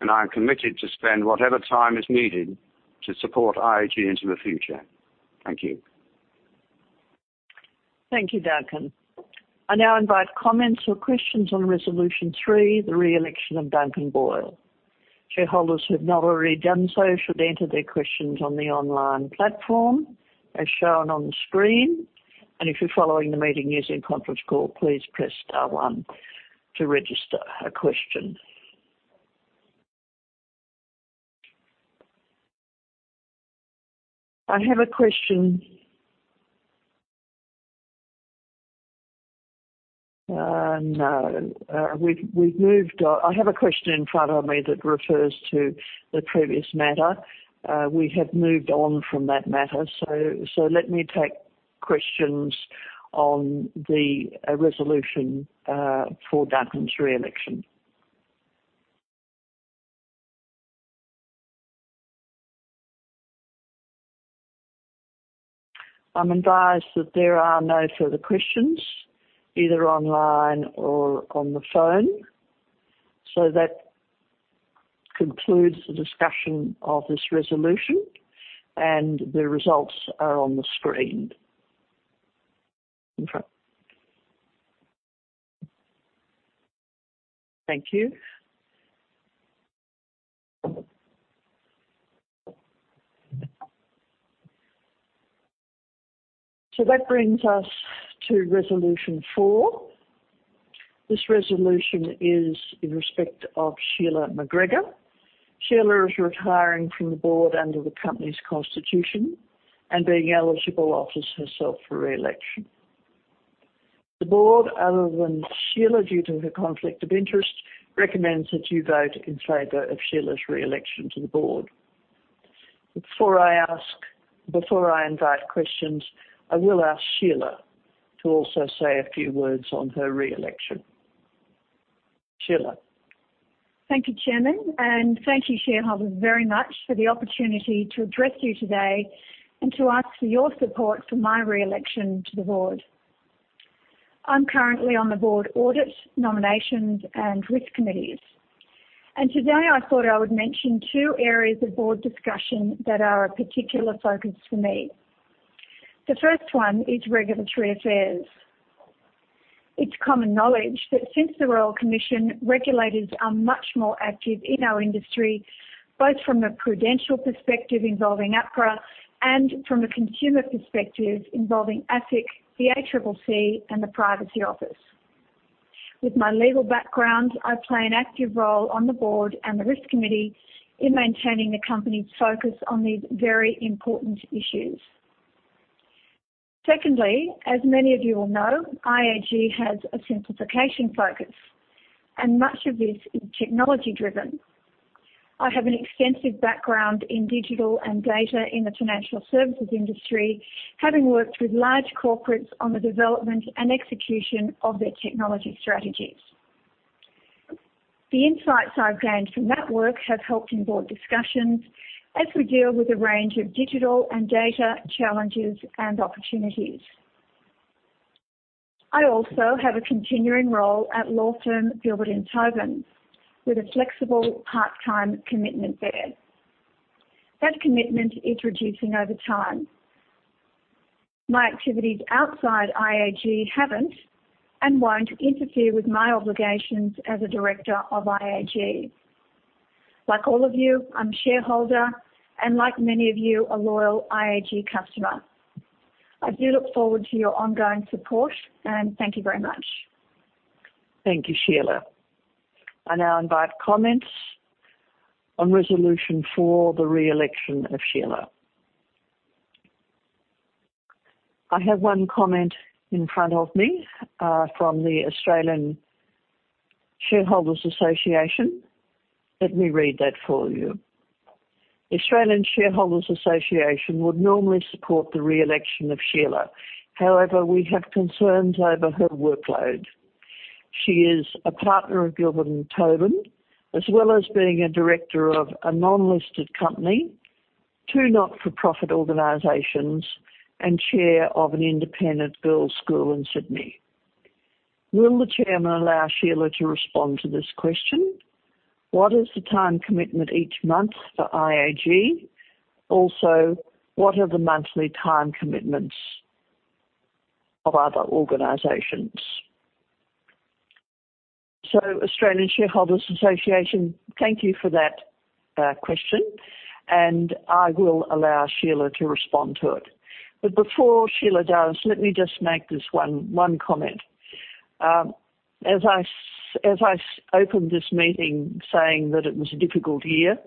and I am committed to spend whatever time is needed to support IAG into the future. Thank you. Thank you, Duncan. I now invite comments or questions on Resolution Three, the re-election of Duncan Boyle. Shareholders who have not already done so should enter their questions on the online platform as shown on the screen. If you're following the meeting using a conference call, please press star one to register a question. I have a question. No. I have a question in front of me that refers to the previous matter. We have moved on from that matter. Let me take questions on the resolution for Duncan's re-election. I'm advised that there are no further questions either online or on the phone. That concludes the discussion of this resolution, and the results are on the screen. Thank you. That brings us to Resolution Four. This resolution is in respect of Sheila McGregor. Sheila is retiring from the board under the company's constitution and being eligible, offers herself for re-election. The board, other than Sheila, due to her conflict of interest, recommends that you vote in favor of Sheila's re-election to the board. Before I invite questions, I will ask Sheila to also say a few words on her re-election. Sheila. Thank you, Chairman, thank you, shareholders, very much for the opportunity to address you today and to ask for your support for my re-election to the board. I'm currently on the board audit, nominations, and risk committees. Today I thought I would mention two areas of board discussion that are a particular focus for me. The first one is regulatory affairs. It's common knowledge that since the Royal Commission, regulators are much more active in our industry, both from a prudential perspective involving APRA and from a consumer perspective involving ASIC, the ACCC, and the Privacy Office. With my legal background, I play an active role on the board and the risk committee in maintaining the company's focus on these very important issues. Secondly, as many of you will know, IAG has a simplification focus, and much of this is technology-driven. I have an extensive background in digital and data in the financial services industry, having worked with large corporates on the development and execution of their technology strategies. The insights I've gained from that work have helped in board discussions as we deal with a range of digital and data challenges and opportunities. I also have a continuing role at law firm Gilbert + Tobin with a flexible part-time commitment there. That commitment is reducing over time. My activities outside IAG haven't and won't interfere with my obligations as a director of IAG. Like all of you, I'm a shareholder and, like many of you, a loyal IAG customer. I do look forward to your ongoing support, thank you very much. Thank you, Sheila. I now invite comments on resolution for the re-election of Sheila. I have one comment in front of me from the Australian Shareholders' Association. Let me read that for you. "The Australian Shareholders' Association would normally support the re-election of Sheila. However, we have concerns over her workload. She is a partner of Gilbert + Tobin, as well as being a director of a non-listed company, two not-for-profit organizations, and chair of an independent girls school in Sydney. Will the chairman allow Sheila to respond to this question? What is the time commitment each month for IAG? Also, what are the monthly time commitments of other organizations?" Australian Shareholders' Association, thank you for that question, and I will allow Sheila to respond to it. Before Sheila does, let me just make this one comment. As I opened this meeting saying that it was a difficult year,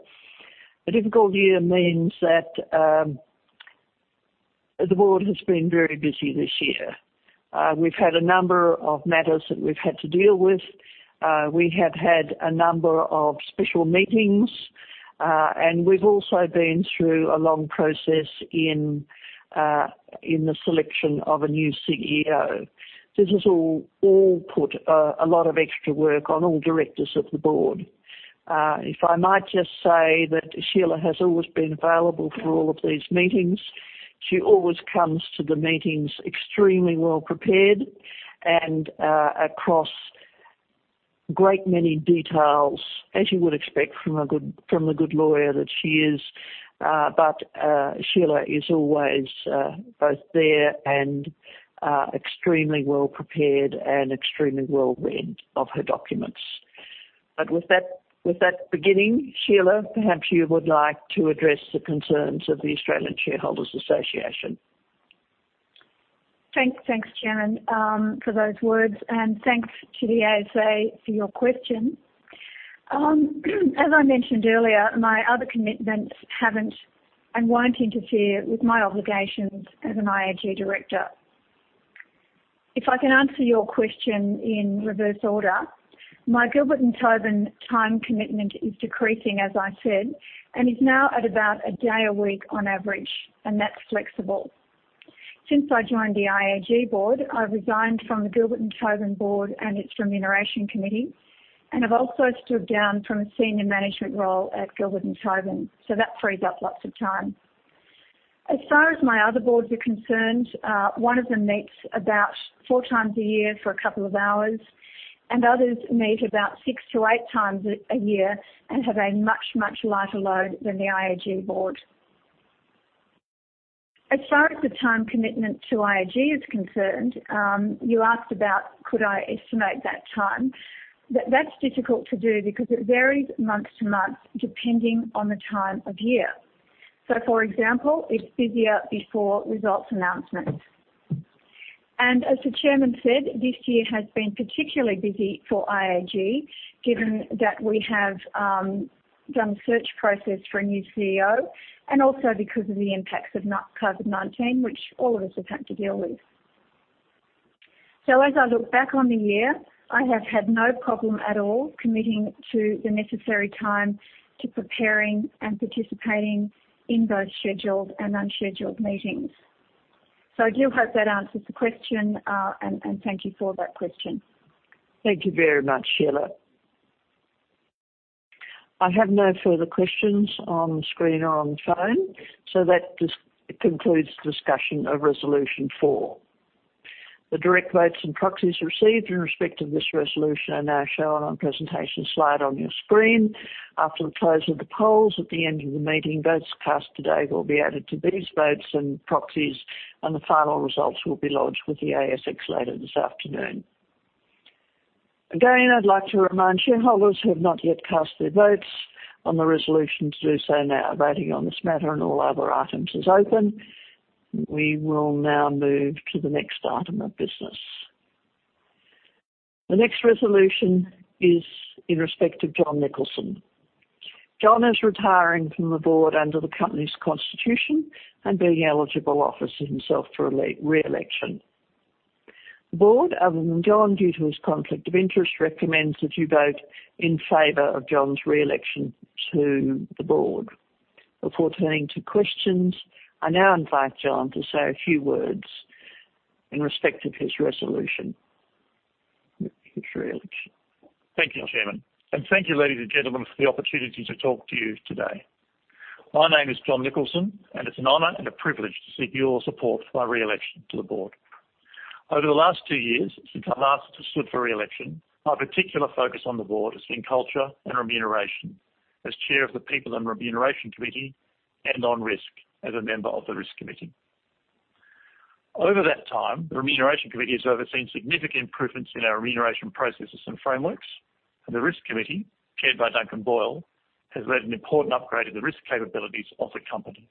a difficult year means that the board has been very busy this year. We've had a number of matters that we've had to deal with. We have had a number of special meetings, and we've also been through a long process in the selection of a new CEO. This has all put a lot of extra work on all directors of the board. If I might just say that Sheila has always been available for all of these meetings. She always comes to the meetings extremely well prepared and across great many details as you would expect from the good lawyer that she is. Sheila is always both there and extremely well prepared and extremely well read of her documents. With that beginning, Sheila, perhaps you would like to address the concerns of the Australian Shareholders' Association. Thanks, Chairman, for those words, and thanks to the ASA for your question. As I mentioned earlier, my other commitments haven't and won't interfere with my obligations as an IAG director. If I can answer your question in reverse order, my Gilbert + Tobin time commitment is decreasing, as I said, and is now at about a day a week on average, and that's flexible. Since I joined the IAG Board, I resigned from the Gilbert + Tobin Board and its Remuneration Committee, and I've also stood down from a senior management role at Gilbert + Tobin, so that frees up lots of time. As far as my other boards are concerned, one of them meets about four times a year for a couple of hours, and others meet about six to eight times a year and have a much, much lighter load than the IAG Board. As far as the time commitment to IAG is concerned, you asked about could I estimate that time. That's difficult to do because it varies month to month depending on the time of year. For example, it's busier before results announcements. As the chairman said, this year has been particularly busy for IAG given that we have done a search process for a new CEO and also because of the impacts of COVID-19 which all of us have had to deal with. As I look back on the year, I have had no problem at all committing to the necessary time to preparing and participating in both scheduled and unscheduled meetings. I do hope that answers the question, and thank you for that question. Thank you very much, Sheila. I have no further questions on screen or on phone, that concludes discussion of Resolution Four. The direct votes and proxies received in respect of this resolution are now shown on presentation slide on your screen. After the close of the polls at the end of the meeting, votes cast today will be added to these votes and proxies, the final results will be lodged with the ASX later this afternoon. Again, I'd like to remind shareholders who have not yet cast their votes on the resolution to do so now. Voting on this matter and all other items is open. We will now move to the next item of business. The next resolution is in respect of Jon Nicholson. Jon is retiring from the board under the company's constitution, being an eligible, offers himself for re-election. The board, other than Jon, due to his conflict of interest, recommends that you vote in favor of Jon's re-election to the board. Before turning to questions, I now invite Jon to say a few words in respect of his resolution for his re-election. Thank you, Chairman. Thank you, ladies and gentlemen, for the opportunity to talk to you today. My name is Jon Nicholson, and it's an honor and a privilege to seek your support for my re-election to the board. Over the last two years, since I last stood for re-election, my particular focus on the board has been culture and remuneration, as Chair of the People and Remuneration Committee, and on risk as a member of the Risk Committee. Over that time, the Remuneration Committee has overseen significant improvements in our remuneration processes and frameworks, and the Risk Committee, chaired by Duncan Boyle, has led an important upgrade of the risk capabilities of the company.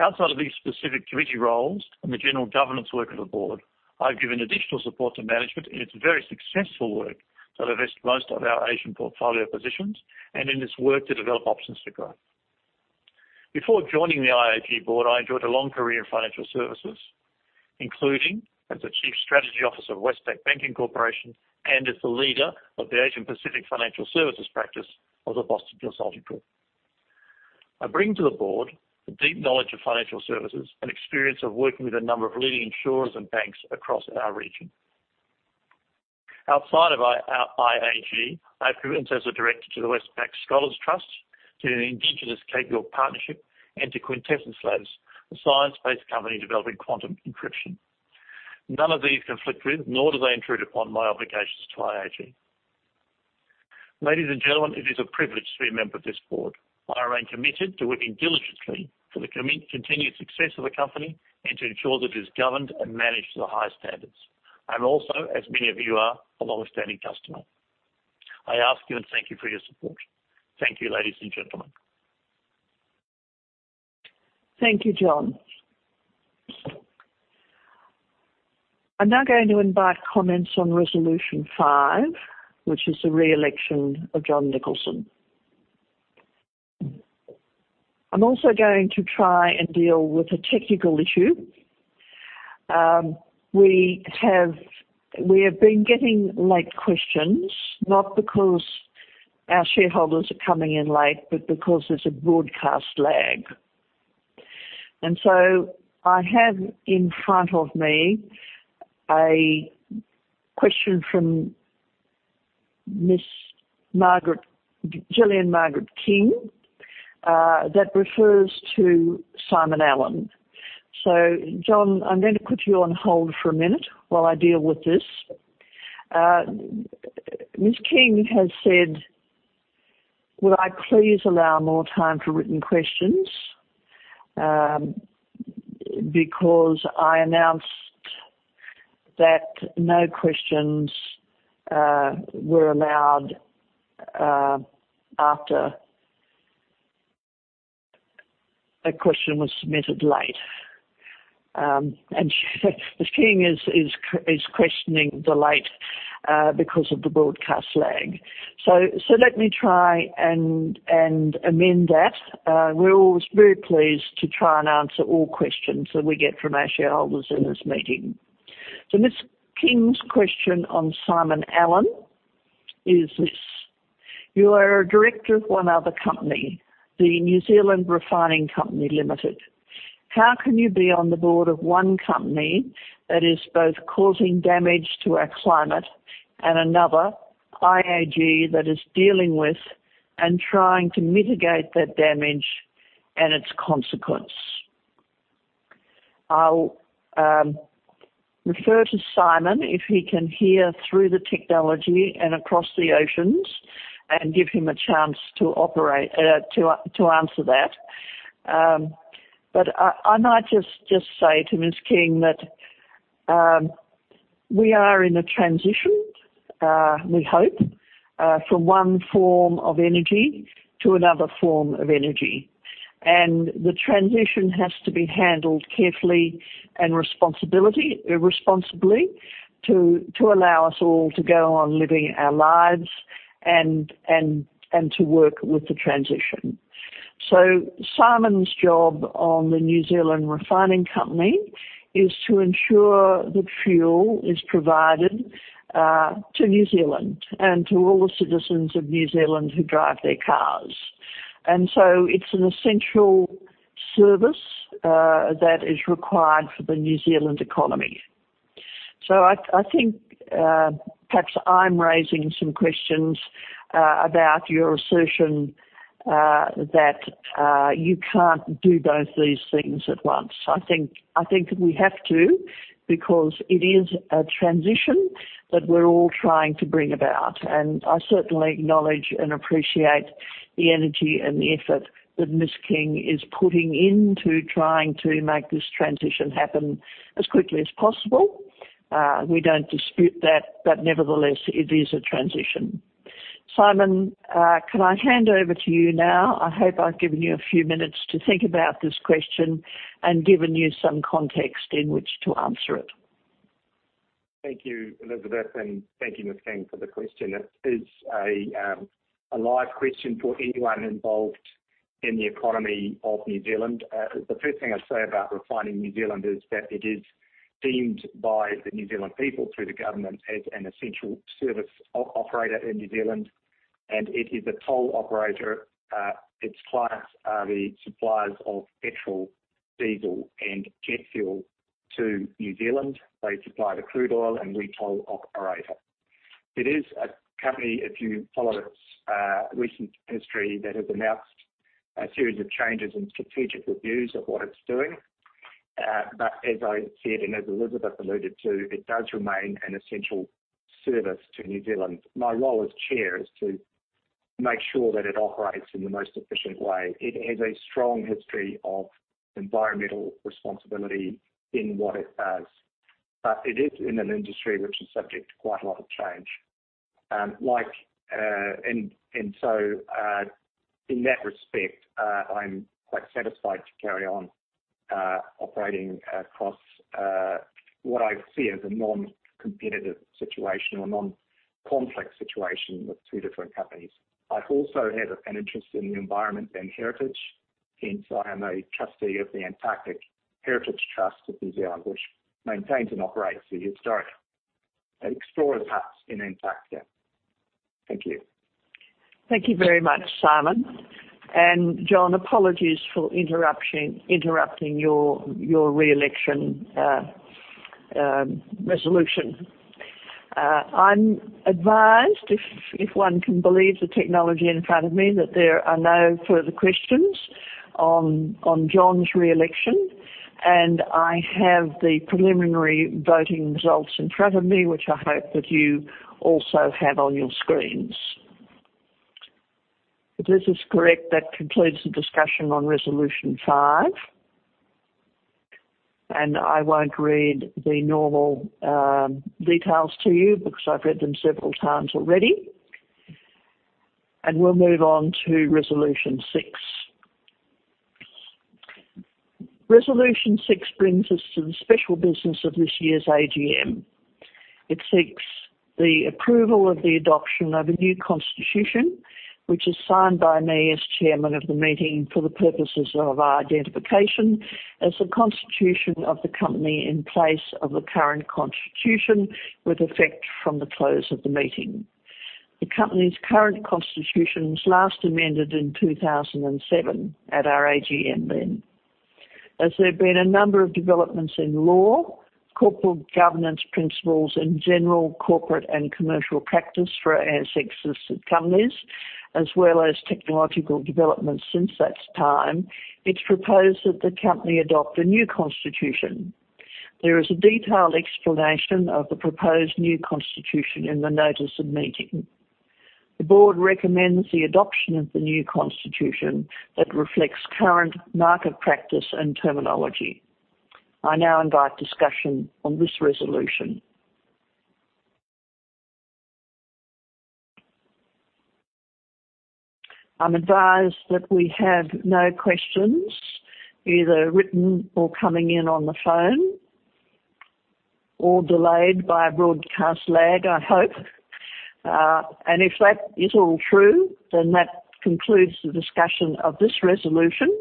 Outside of these specific committee roles and the general governance work of the board, I have given additional support to management in its very successful work to divest most of our Asian portfolio positions and in its work to develop options for growth. Before joining the IAG board, I enjoyed a long career in financial services, including as the Chief Strategy Officer of Westpac Banking Corporation and as the leader of the Asia Pacific Financial Services practice of the Boston Consulting Group. I bring to the board a deep knowledge of financial services and experience of working with a number of leading insurers and banks across our region. Outside of IAG, I have commitments as a director to the Westpac Scholars Trust, to the Indigenous Cape York Partnership, and to QuintessenceLabs, a science-based company developing quantum encryption. None of these conflict with, nor do they intrude upon my obligations to IAG. Ladies and gentlemen, it is a privilege to be a member of this board. I remain committed to working diligently for the continued success of the company and to ensure that it is governed and managed to the highest standards. I'm also, as many of you are, a longstanding customer. I ask you and thank you for your support. Thank you, ladies and gentlemen. Thank you, Jon. I'm now going to invite comments on Resolution Five, which is the re-election of Jon Nicholson. I'm also going to try and deal with a technical issue. We have been getting late questions, not because our shareholders are coming in late, but because there's a broadcast lag. I have in front of me a question from Mrs. Gillian Margaret King, that refers to Simon Allen. Jon, I'm going to put you on hold for a minute while I deal with this. Mrs. King has said, would I please allow more time for written questions, because I announced that no questions were allowed after a question was submitted late. Mrs. King is questioning the late because of the broadcast lag. Let me try and amend that. We're always very pleased to try and answer all questions that we get from our shareholders in this meeting. Miss King's question on Simon Allen is this, "You are a director of one other company, the New Zealand Refining Company Limited. How can you be on the board of one company that is both causing damage to our climate and another, IAG, that is dealing with and trying to mitigate that damage and its consequence?" I'll refer to Simon if he can hear through the technology and across the oceans and give him a chance to answer that. I might just say to Miss King that we are in a transition, we hope, from one form of energy to another form of energy. The transition has to be handled carefully and responsibly to allow us all to go on living our lives and to work with the transition. Simon's job on the New Zealand Refining Company is to ensure that fuel is provided to New Zealand and to all the citizens of New Zealand who drive their cars. It's an essential service that is required for the New Zealand economy. I think perhaps I'm raising some questions about your assertion that you can't do both these things at once. I think we have to because it is a transition that we're all trying to bring about. I certainly acknowledge and appreciate the energy and the effort that Miss King is putting into trying to make this transition happen as quickly as possible. We don't dispute that, but nevertheless, it is a transition. Simon, can I hand over to you now? I hope I've given you a few minutes to think about this question and given you some context in which to answer it. Thank you, Elizabeth, and thank you, Ms. King, for the question. It is a live question for anyone involved in the economy of New Zealand. The first thing I'd say about Refining New Zealand is that it is deemed by the New Zealand people, through the government, as an essential service operator in New Zealand. It is a toll operator. Its clients are the suppliers of petrol, diesel, and jet fuel to New Zealand. They supply the crude oil and retail operator. It is a company, if you follow its recent history, that has announced a series of changes and strategic reviews of what it's doing. As I said, and as Elizabeth alluded to, it does remain an essential service to New Zealand. My role as chair is to make sure that it operates in the most efficient way. It has a strong history of environmental responsibility in what it does. It is in an industry which is subject to quite a lot of change. In that respect, I'm quite satisfied to carry on operating across what I see as a non-competitive situation or non-conflict situation with two different companies. I also have an interest in the environment and heritage. Hence, I am a trustee of the Antarctic Heritage Trust of New Zealand, which maintains and operates the historic explorer parks in Antarctica. Thank you. Thank you very much, Simon. Jon, apologies for interrupting your re-election resolution. I'm advised, if one can believe the technology in front of me, that there are no further questions on Jon's re-election. I have the preliminary voting results in front of me, which I hope that you also have on your screens. If this is correct, that concludes the discussion on Resolution Five. I won't read the normal details to you because I've read them several times already. We'll move on to Resolution Six. Resolution Six brings us to the special business of this year's AGM. It seeks the approval of the adoption of a new constitution, which is signed by me as chairman of the meeting for the purposes of identification as the constitution of the company in place of the current constitution, with effect from the close of the meeting. The company's current constitution was last amended in 2007 at our AGM then. As there have been a number of developments in law, corporate governance principles, and general corporate and commercial practice for ASX-listed companies, as well as technological developments since that time, it's proposed that the company adopt a new constitution. There is a detailed explanation of the proposed new constitution in the notice of meeting. The board recommends the adoption of the new constitution that reflects current market practice and terminology. I now invite discussion on this resolution. I'm advised that we have no questions, either written or coming in on the phone, or delayed by a broadcast lag, I hope. If that is all true, that concludes the discussion of this resolution.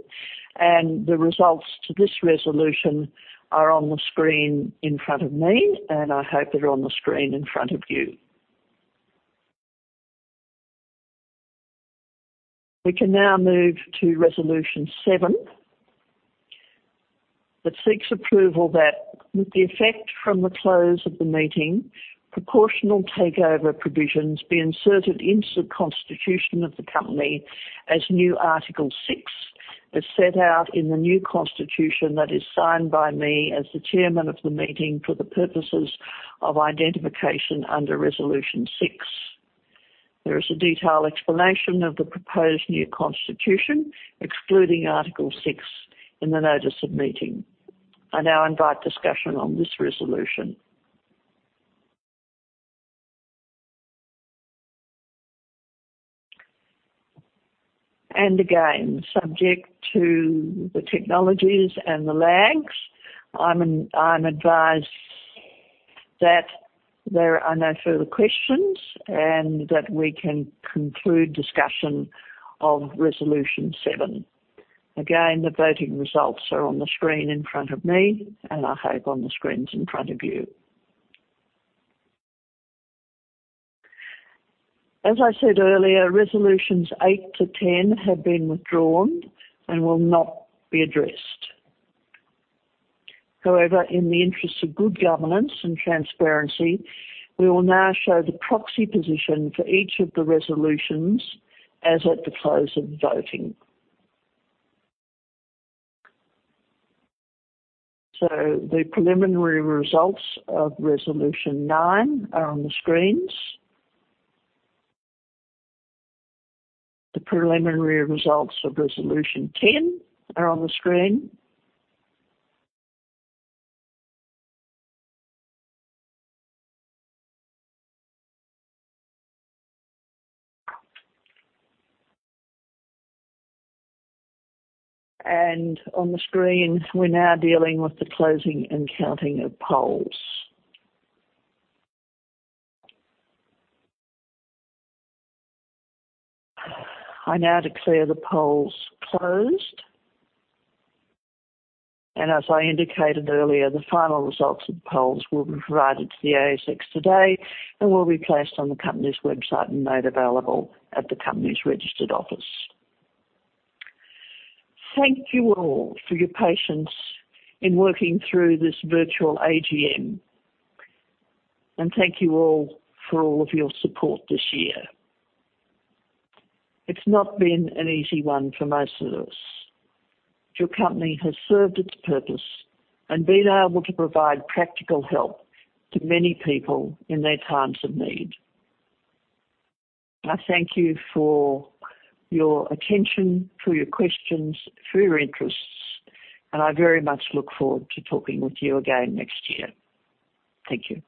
The results to this resolution are on the screen in front of me, and I hope they're on the screen in front of you. We can now move to Resolution Seven, that seeks approval that, with the effect from the close of the meeting, proportional takeover provisions be inserted into the constitution of the company as new Article six, as set out in the new constitution that is signed by me as the chairman of the meeting for the purposes of identification under Resolution Six. There is a detailed explanation of the proposed new constitution, excluding Article six, in the notice of meeting. I now invite discussion on this resolution. Again, subject to the technologies and the lags, I'm advised that there are no further questions and that we can conclude discussion of Resolution Seven. Again, the voting results are on the screen in front of me, and I hope on the screens in front of you. As I said earlier, Resolutions Eight to 10 have been withdrawn and will not be addressed. However, in the interest of good governance and transparency, we will now show the proxy position for each of the resolutions as at the close of voting. The preliminary results of Resolution Nine are on the screens. The preliminary results of Resolution 10 are on the screen. On the screen, we're now dealing with the closing and counting of polls. I now declare the polls closed. As I indicated earlier, the final results of the polls will be provided to the ASX today and will be placed on the company's website and made available at the company's registered office. Thank you all for your patience in working through this virtual AGM. Thank you all for all of your support this year. It's not been an easy one for most of us. Your company has served its purpose and been able to provide practical help to many people in their times of need. I thank you for your attention, for your questions, for your interests, and I very much look forward to talking with you again next year. Thank you.